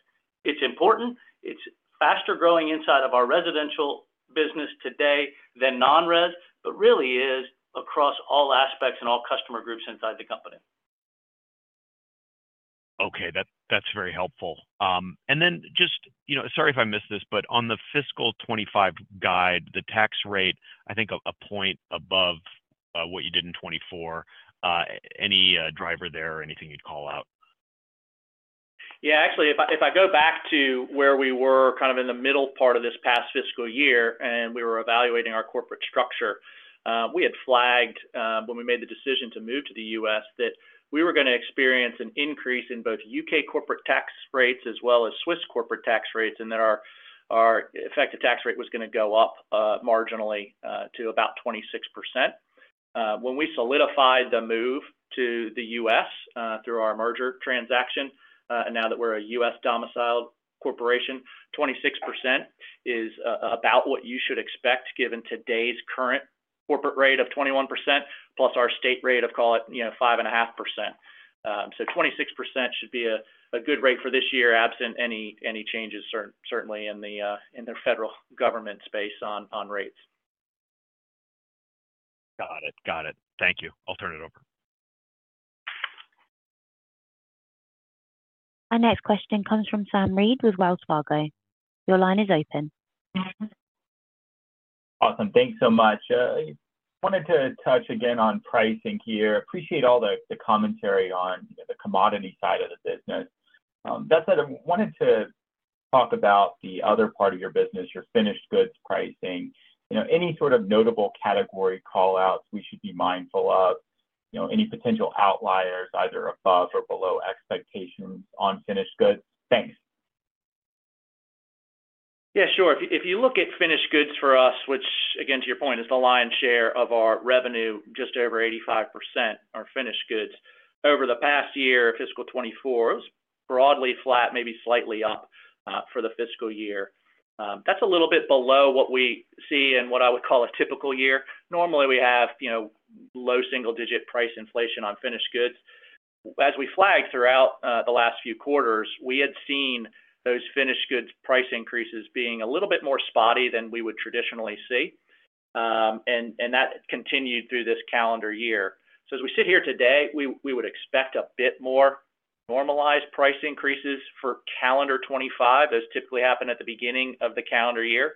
It's important. It's faster growing inside of our Residential business today than non-res, but really is across all aspects and all customer groups inside the company. Okay, that's very helpful. Then just, you know, sorry if I missed this, but on the fiscal 2025 guide, the tax rate, I think, a point above what you did in 2024, any driver there or anything you'd call out? Yeah, actually, if I go back to where we were kind of in the middle part of this past fiscal year, and we were evaluating our corporate structure, we had flagged, when we made the decision to move to the U.S., that we were gonna experience an increase in both U.K. corporate tax rates as well as Swiss corporate tax rates, and that our effective tax rate was gonna go up, marginally, to about 26%. When we solidified the move to the U.S., through our merger transaction, and now that we're a U.S.-domiciled corporation, 26% is about what you should expect, given today's current corporate rate of 21%, plus our state rate of, call it, you know, 5.5%. So 26% should be a good rate for this year, absent any changes, certainly in the federal government space on rates. Got it. Got it. Thank you. I'll turn it over. Our next question comes from Sam Reid with Wells Fargo. Your line is open. Awesome. Thanks so much. I wanted to touch again on pricing here. Appreciate all the, the commentary on the commodity side of the business. That said, I wanted to talk about the other part of your business, your finished goods pricing. You know, any sort of notable category call-outs we should be mindful of? You know, any potential outliers, either above or below expectations on finished goods? Thanks. Yeah, sure. If you look at finished goods for us, which again, to your point, is the lion's share of our revenue, just over 85% are finished goods. Over the past year, fiscal 2024, it was broadly flat, maybe slightly up, for the fiscal year. That's a little bit below what we see in what I would call a typical year. Normally, we have, you know, low single-digit price inflation on finished goods. As we flagged throughout, the last few quarters, we had seen those finished goods price increases being a little bit more spotty than we would traditionally see. And that continued through this calendar year. So as we sit here today, we would expect a bit more normalized price increases for calendar 2025, as typically happen at the beginning of the calendar year.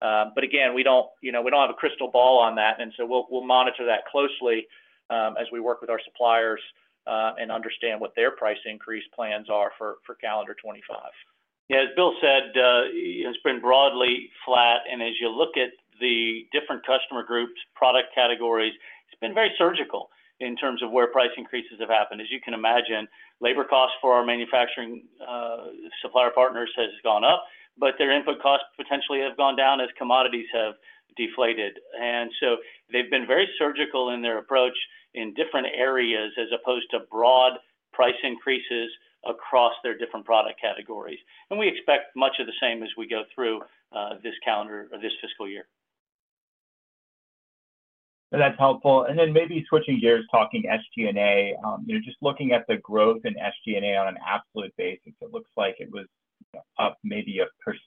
But again, we don't, you know, we don't have a crystal ball on that, and so we'll monitor that closely, as we work with our suppliers, and understand what their price increase plans are for calendar 2025. Yeah, as Bill said, it's been broadly flat, and as you look at the different customer groups, product categories, it's been very surgical in terms of where price increases have happened. As you can imagine, labor costs for our manufacturing, supplier partners has gone up, but their input costs potentially have gone down as commodities have deflated. So they've been very surgical in their approach in different areas, as opposed to broad price increases across their different product categories and we expect much of the same as we go through, this calendar or this fiscal year. That's helpful. Then maybe switching gears, talking SG&A. You know, just looking at the growth in SG&A on an absolute basis, it looks like it was up maybe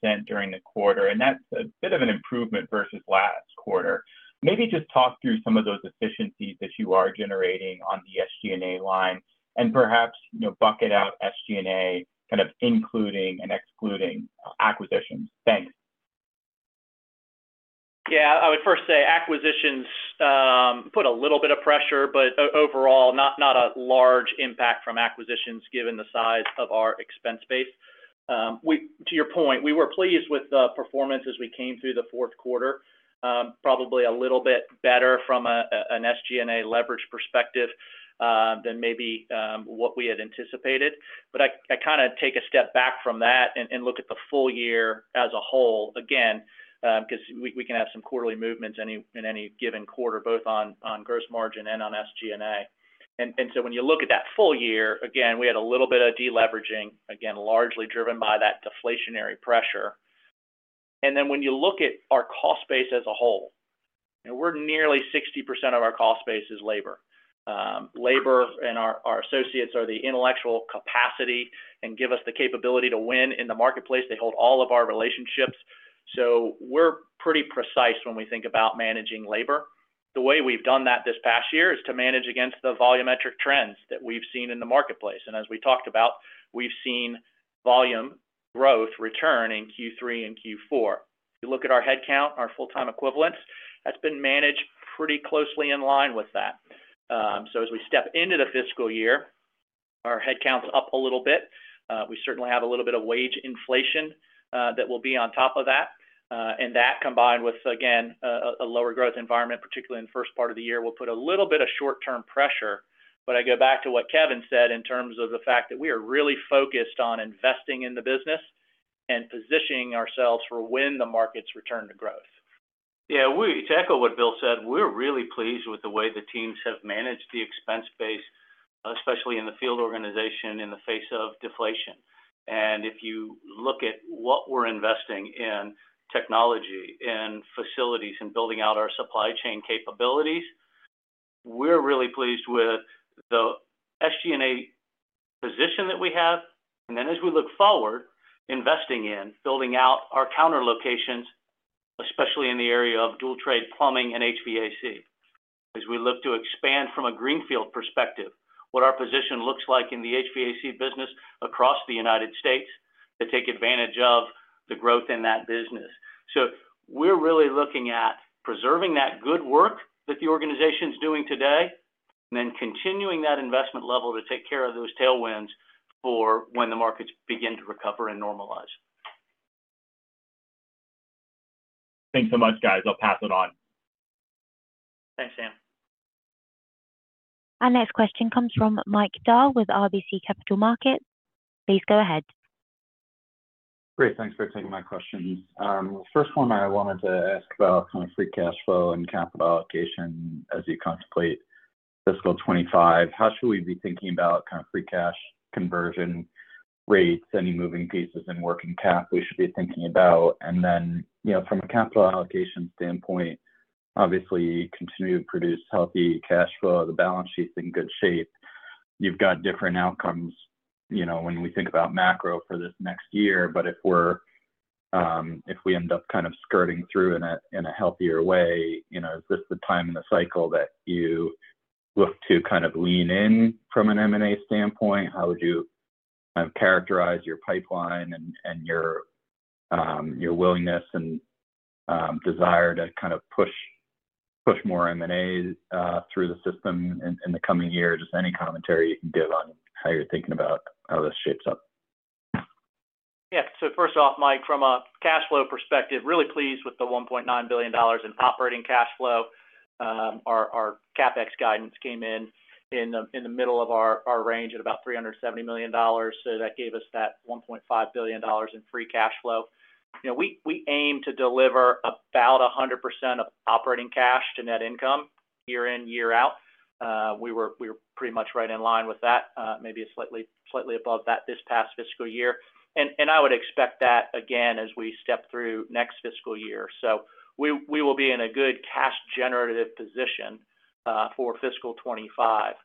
1% during the quarter, and that's a bit of an improvement versus last quarter. Maybe just talk through some of those efficiencies that you are generating on the SG&A line and perhaps, you know, bucket out SG&A, kind of, including and excluding acquisitions. Thanks. Yeah. I would first say acquisitions put a little bit of pressure, but overall, not a large impact from acquisitions, given the size of our expense base. To your point, we were pleased with the performance as we came through the Q4. Probably a little bit better from an SG&A leverage perspective than maybe what we had anticipated, but I kinda take a step back from that and look at the full year as a whole, again, 'cause we can have some quarterly movements in any given quarter, both on gross margin and on SG&A, and so when you look at that full year, again, we had a little bit of deleveraging, again, largely driven by that deflationary pressure. Then when you look at our cost base as a whole, and where nearly 60% of our cost base is labor. Labor and our associates are the intellectual capacity and give us the capability to win in the marketplace. They hold all of our relationships, so we're pretty precise when we think about managing labor. The way we've done that this past year is to manage against the volumetric trends that we've seen in the marketplace. As we talked about, we've seen volume growth return in Q3 and Q4. If you look at our headcount, our full-time equivalents, that's been managed pretty closely in line with that. So as we step into the fiscal year, our headcount's up a little bit. We certainly have a little bit of wage inflation that will be on top of that. and that, combined with, again, a lower growth environment, particularly in the first part of the year, will put a little bit of short-term pressure. But I go back to what Kevin said in terms of the fact that we are really focused on investing in the business and positioning ourselves for when the markets return to growth. Yeah, we to echo what Bill said, we're really pleased with the way the teams have managed the expense base, especially in the field organization, in the face of deflation. If you look at what we're investing in technology and facilities and building out our supply chain capabilities, we're really pleased with the SG&A position that we have. Then, as we look forward, investing in building out our counter locations, especially in the area of dual-trade plumbing and HVAC. As we look to expand from a greenfield perspective, what our position looks like in the HVAC business across the United States to take advantage of the growth in that business. So we're really looking at preserving that good work that the organization's doing today, and then continuing that investment level to take care of those tailwinds for when the markets begin to recover and normalize. Thanks so much, guys. I'll pass it on. Thanks, Sam. Our next question comes from Mike Dahl with RBC Capital Markets. Please go ahead. Great. Thanks for taking my questions. First one, I wanted to ask about kind of free cash flow and capital allocation as you contemplate fiscal 2025. How should we be thinking about kind of free cash conversion rates, any moving pieces and working cap we should be thinking about? And then, you know, from a capital allocation standpoint, obviously, you continue to produce healthy cash flow. The balance sheet's in good shape. You've got different outcomes, you know, when we think about macro for this next year, but if we end up kind of skirting through in a healthier way, you know, is this the time in the cycle that you look to kind of lean in from an M&A standpoint? How would you kind of characterize your pipeline and your willingness and desire to kind of push more M&A through the system in the coming year? Just any commentary you can give on how you're thinking about how this shapes up. Yeah. So first off, Mike, from a cash flow perspective, really pleased with the $1.9 billion in operating cash flow. Our CapEx guidance came in in the middle of our range at about $370 million, so that gave us that $1.5 billion in free cash flow. You know, we aim to deliver about 100% of operating cash to net income year in, year out. We were pretty much right in line with that, maybe slightly above that this past fiscal year. I would expect that again as we step through next fiscal year. So we will be in a good cash generative position for fiscal 2025.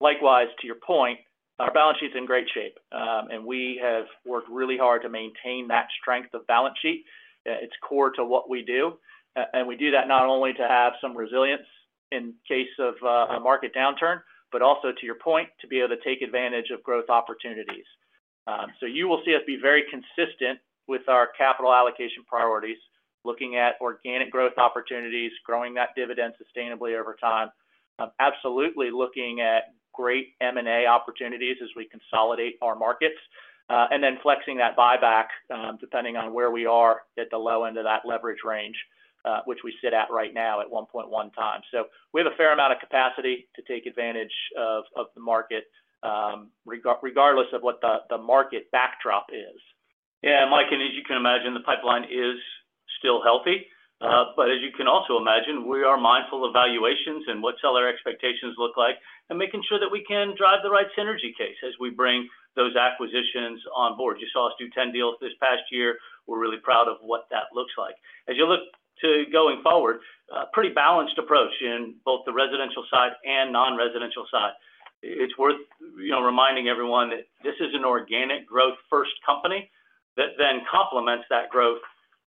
Likewise, to your point, our balance sheet is in great shape, and we have worked really hard to maintain that strength of balance sheet. It's core to what we do, and we do that not only to have some resilience in case of a market downturn, but also, to your point, to be able to take advantage of growth opportunities. So you will see us be very consistent with our capital allocation priorities, looking at organic growth opportunities, growing that dividend sustainably over time. Absolutely looking at great M&A opportunities as we consolidate our markets, and then flexing that buyback, depending on where we are at the low end of that leverage range, which we sit at right now at 1.1x. We have a fair amount of capacity to take advantage of the market, regardless of what the market backdrop is. Yeah, Mike, and as you can imagine, the pipeline is still healthy, but as you can also imagine, we are mindful of valuations and what seller expectations look like, and making sure that we can drive the right synergy case as we bring those acquisitions on board. You saw us do 10 deals this past year. We're really proud of what that looks like. As you look to going forward, pretty balanced approach in both the residential side and non-residential side. It's worth, you know, reminding everyone that this is an organic growth first company that then complements that growth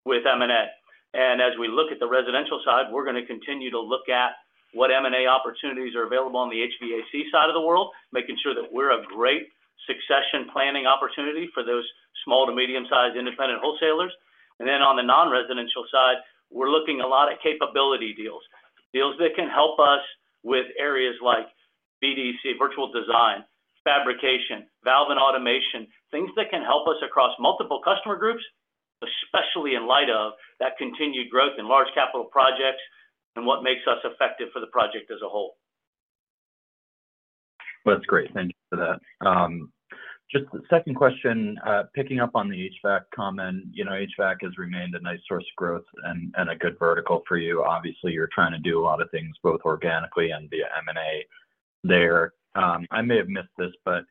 with M&A, and as we look at the residential side, we're gonna continue to look at what M&A opportunities are available on the HVAC side of the world, making sure that we're a great succession planning opportunity for those small to medium-sized independent wholesalers. And then on the non-residential side, we're looking a lot at capability deals, deals that can help us with areas like VDC, virtual design, fabrication, valve and automation, things that can help us across multiple customer groups, especially in light of that continued growth in large capital projects and what makes us effective for the project as a whole. Well, that's great. Thank you for that. Just the second question, picking up on the HVAC comment. You know, HVAC has remained a nice source of growth and, and a good vertical for you. Obviously, you're trying to do a lot of things, both organically and via M&A there. I may have missed this, but,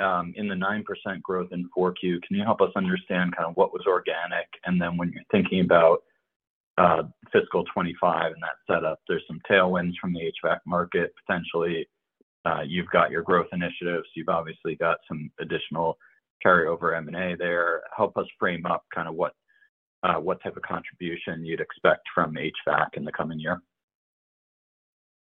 in the 9% growth in 4Q, can you help us understand kind of what was organic? And then when you're thinking about, fiscal 2025 and that set up, there's some tailwinds from the HVAC market. Potentially, you've got your growth initiatives, you've obviously got some additional carryover M&A there. Help us frame up kind of what, what type of contribution you'd expect from HVAC in the coming year.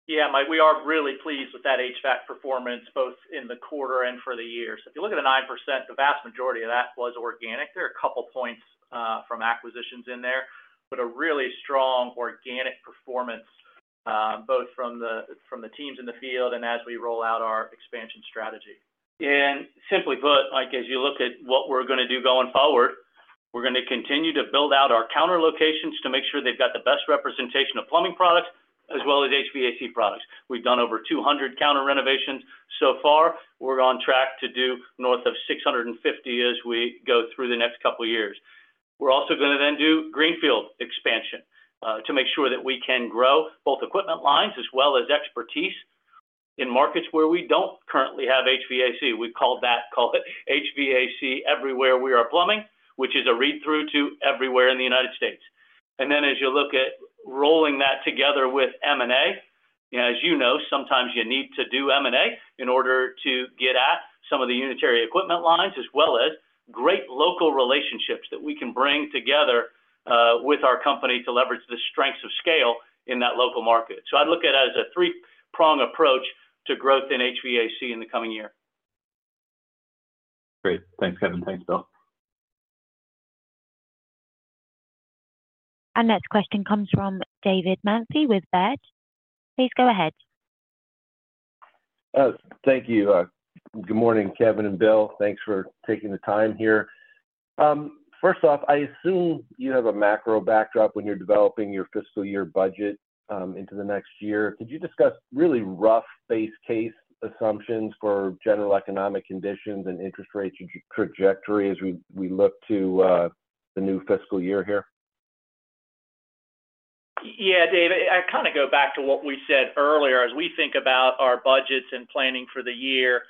Yeah, Mike, we are really pleased with that HVAC performance, both in the quarter and for the year. So if you look at the 9%, the vast majority of that was organic. There are a couple points from acquisitions in there, but a really strong organic performance both from the teams in the field and as we roll out our expansion strategy. Simply put, Mike, as you look at what we're gonna do going forward, we're gonna continue to build out our counter locations to make sure they've got the best representation of plumbing products as well as HVAC products. We've done over 200 counter renovations so far. We're on track to do north of 650 as we go through the next couple of years. We're also gonna then do greenfield expansion to make sure that we can grow both equipment lines as well as expertise in markets where we don't currently have HVAC. We call that, call it HVAC Everywhere We Are Plumbing, which is a read-through to everywhere in the United States. And then, as you look at rolling that together with M&A, as you know, sometimes you need to do M&A in order to get at some of the unitary equipment lines, as well as great local relationships that we can bring together with our company to leverage the strengths of scale in that local market. So I'd look at it as a three-prong approach to growth in HVAC in the coming year. Great. Thanks, Kevin. Thanks, Bill. Our next question comes from David Manthey with Baird. Please go ahead. Thank you. Good morning, Kevin and Bill. Thanks for taking the time here. First off, I assume you have a macro backdrop when you're developing your fiscal year budget into the next year. Could you discuss really rough base case assumptions for general economic conditions and interest rate trajectory as we look to the new fiscal year here? Yeah, David, I kind of go back to what we said earlier. As we think about our budgets and planning for the year,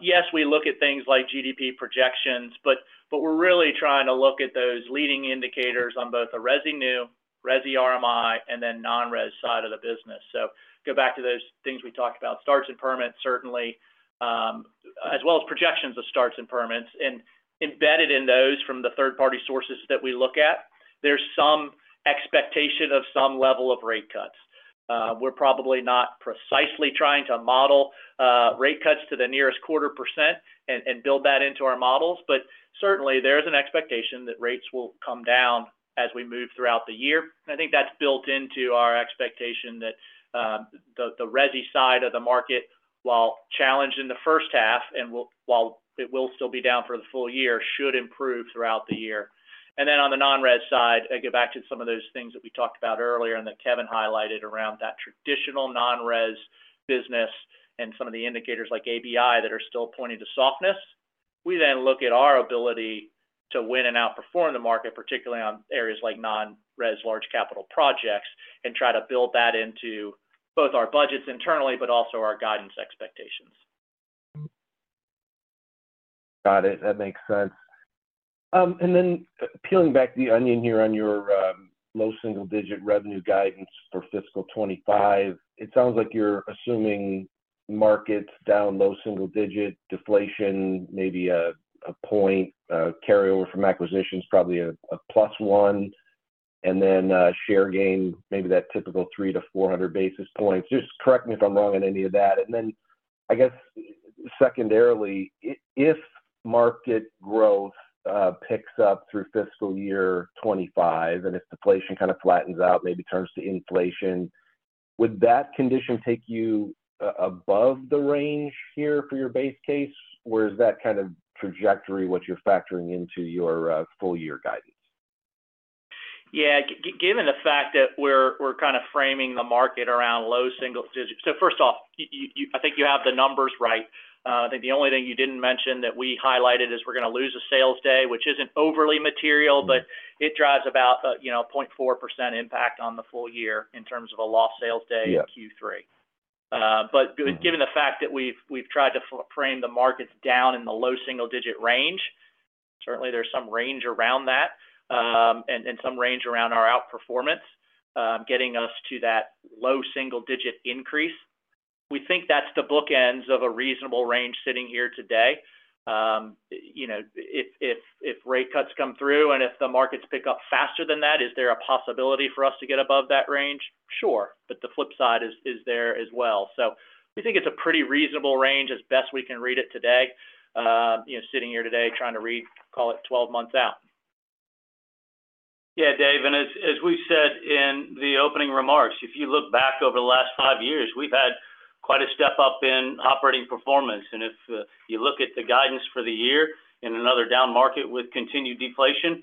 yes, we look at things like GDP projections, but we're really trying to look at those leading indicators on both the resi new, resi RMI, and then non-res side of the business. So go back to those things we talked about, starts and permits, certainly.... as well as projections of starts and permits. Embedded in those from the third-party sources that we look at, there's some expectation of some level of rate cuts. We're probably not precisely trying to model rate cuts to the nearest quarter percent and build that into our models, but certainly there is an expectation that rates will come down as we move throughout the year. I think that's built into our expectation that the resi side of the market, while challenged in the first half and will, while it will still be down for the full year, should improve throughout the year. Then on the non-res side, I go back to some of those things that we talked about earlier and that Kevin highlighted around that traditional Non-Res business and some of the indicators like ABI that are still pointing to softness. We then look at our ability to win and outperform the market, particularly on areas like non-res large capital projects, and try to build that into both our budgets internally, but also our guidance expectations. Got it. That makes sense. Then peeling back the onion here on your low single-digit revenue guidance for fiscal 2025, it sounds like you're assuming markets down low single-digit, deflation, maybe a point, a carryover from acquisitions, probably a plus one, and then share gain, maybe that typical 300 basis points-400 basis points. Just correct me if I'm wrong in any of that and then, I guess, secondarily, if market growth picks up through fiscal year 2025, and if deflation kind of flattens out, maybe turns to inflation, would that condition take you above the range here for your base case? Or is that kind of trajectory what you're factoring into your full year guidance? Yeah, given the fact that we're kind of framing the market around low single-digits. So first off, you—I think you have the numbers right. I think the only thing you didn't mention that we highlighted is we're going to lose a sales day, which isn't overly material, but it drives about, you know, 0.4% impact on the full year in terms of a lost sales day- Yeah in Q3. But given the fact that we've tried to frame the markets down in the low single-digit range, certainly there's some range around that, and some range around our outperformance, getting us to that low single-digit increase. We think that's the bookends of a reasonable range sitting here today. You know, if rate cuts come through, and if the markets pick up faster than that, is there a possibility for us to get above that range? Sure. But the flip side is, is there as well. So we think it's a pretty reasonable range as best we can read it today, you know, sitting here today trying to read, call it 12 months out. Yeah, Dave, and as we said in the opening remarks, if you look back over the last five years, we've had quite a step-up in operating performance and if you look at the guidance for the year in another down market with continued deflation,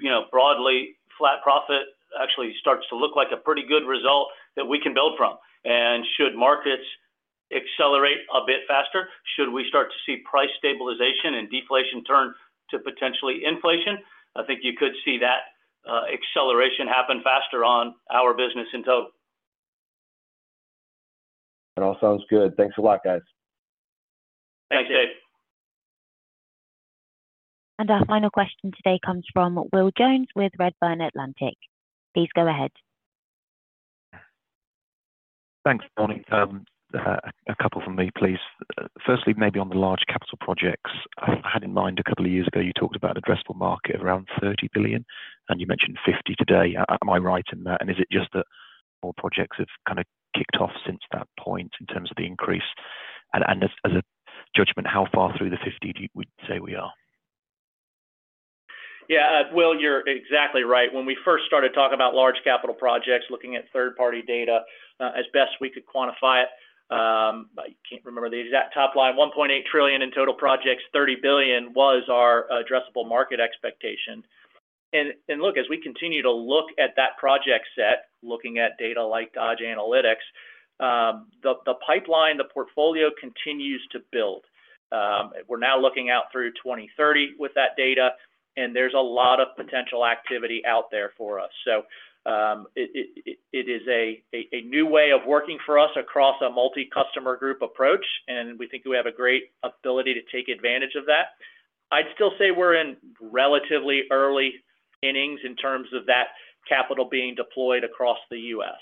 you know, broadly, flat profit actually starts to look like a pretty good result that we can build from. Should markets accelerate a bit faster, should we start to see price stabilization and deflation turn to potentially inflation? I think you could see that acceleration happen faster on our business in total. It all sounds good. Thanks a lot, guys. Thanks, Dave. And our final question today comes from Will Jones with Redburn Atlantic. Please go ahead. Thanks, morning. A couple from me, please. Firstly, maybe on the large capital projects, I had in mind a couple of years ago, you talked about addressable market around $30 billion, and you mentioned $50 billion today. Am I right in that? And is it just that more projects have kind of kicked off since that point in terms of the increase? And as a judgment, how far through the $50 billion do you would say we are? Yeah, Will, you're exactly right. When we first started talking about large capital projects, looking at third-party data, as best we could quantify it, I can't remember the exact top line. 1.8 trillion in total projects, 30 billion was our addressable market expectation. And look, as we continue to look at that project set, looking at data like Dodge Analytics, the pipeline, the portfolio continues to build. We're now looking out through 2030 with that data, and there's a lot of potential activity out there for us. So, it is a new way of working for us across a multi-customer group approach, and we think we have a great ability to take advantage of that. I'd still say we're in relatively early innings in terms of that capital being deployed across the U.S.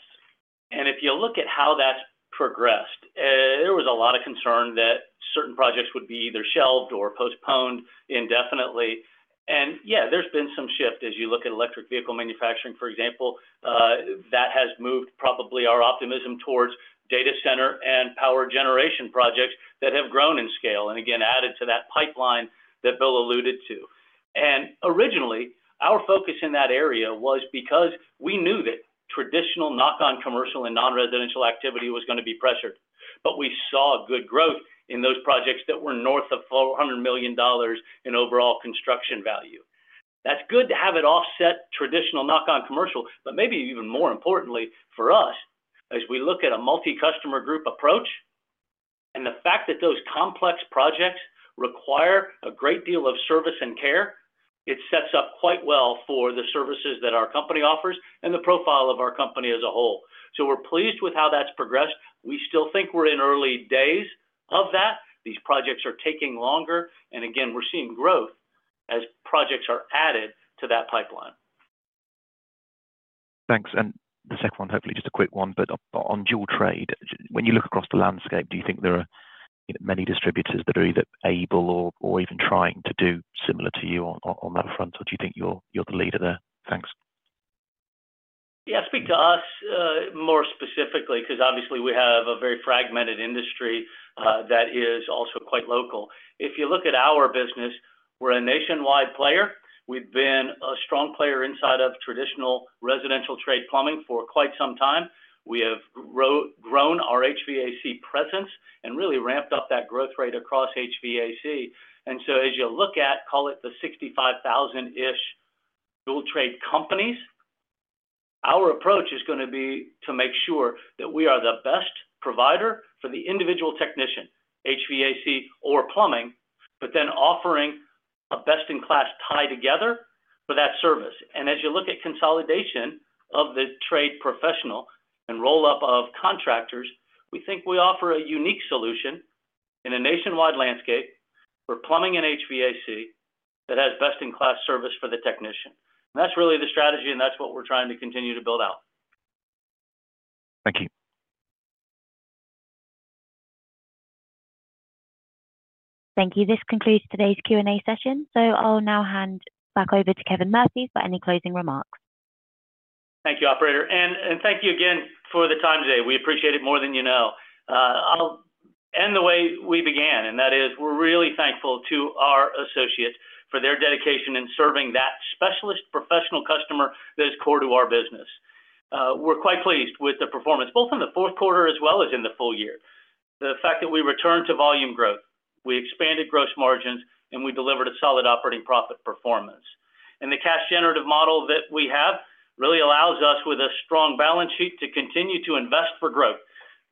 And if you look at how that's progressed, there was a lot of concern that certain projects would be either shelved or postponed indefinitely and yeah, there's been some shift as you look at electric vehicle manufacturing, for example, that has moved probably our optimism towards data center and power generation projects that have grown in scale, and again, added to that pipeline that Bill alluded to. Originally, our focus in that area was because we knew that traditional knock-on commercial and non-residential activity was going to be pressured. But we saw good growth in those projects that were north of $400 million in overall construction value. That's good to have it offset traditional knock-on commercial, but maybe even more importantly for us, as we look at a multi-customer group approach and the fact that those complex projects require a great deal of service and care, it sets up quite well for the services that our company offers and the profile of our company as a whole. So we're pleased with how that's progressed. We still think we're in early days of that. These projects are taking longer, and again, we're seeing growth as projects are added to that pipeline. Thanks. And the second one, hopefully just a quick one, but on, on dual-trade, when you look across the landscape, do you think there are, you know, many distributors that are either able or, or even trying to do similar to you on, on that front? Or do you think you're, you're the leader there? Thanks. Yeah, speak to us more specifically, because obviously we have a very fragmented industry that is also quite local. If you look at our business, we're a nationwide player. We've been a strong player inside of traditional Residential Trade Plumbing for quite some time. We have grown our HVAC presence and really ramped up that growth rate across HVAC. So as you look at, call it the 65,000-ish dual-trade companies, our approach is gonna be to make sure that we are the best provider for the individual technician, HVAC or Plumbing, but then offering a best-in-class tie together for that service. And as you look at consolidation of the trade professional and roll-up of contractors, we think we offer a unique solution in a nationwide landscape for Plumbing and HVAC that has best-in-class service for the technician. That's really the strategy, and that's what we're trying to continue to build out. Thank you. Thank you. This concludes today's Q&A session, so I'll now hand back over to Kevin Murphy for any closing remarks. Thank you, operator. And thank you again for the time today. We appreciate it more than you know. I'll end the way we began, and that is we're really thankful to our associates for their dedication in serving that specialist professional customer that is core to our business. We're quite pleased with the performance, both in the Q4 as well as in the full year. The fact that we returned to volume growth, we expanded gross margins, and we delivered a solid operating profit performance. The cash generative model that we have really allows us, with a strong balance sheet, to continue to invest for growth,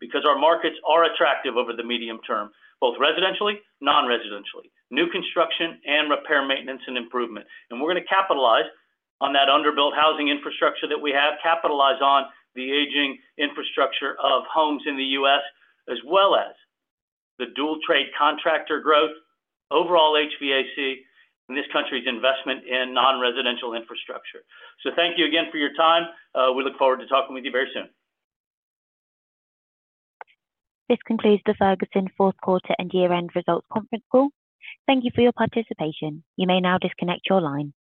because our markets are attractive over the medium term, both residentially, non-residentially, new construction, and repair, maintenance, and improvement. And we're gonna capitalize on that underbuilt housing infrastructure that we have, capitalize on the aging infrastructure of homes in the U.S., as well as the dual-trade contractor growth, overall HVAC, and this country's investment in non-residential infrastructure. So thank you again for your time. We look forward to talking with you very soon. This concludes the Ferguson Q4 and Year-End Results Conference Call. Thank you for your participation. You may now disconnect your line.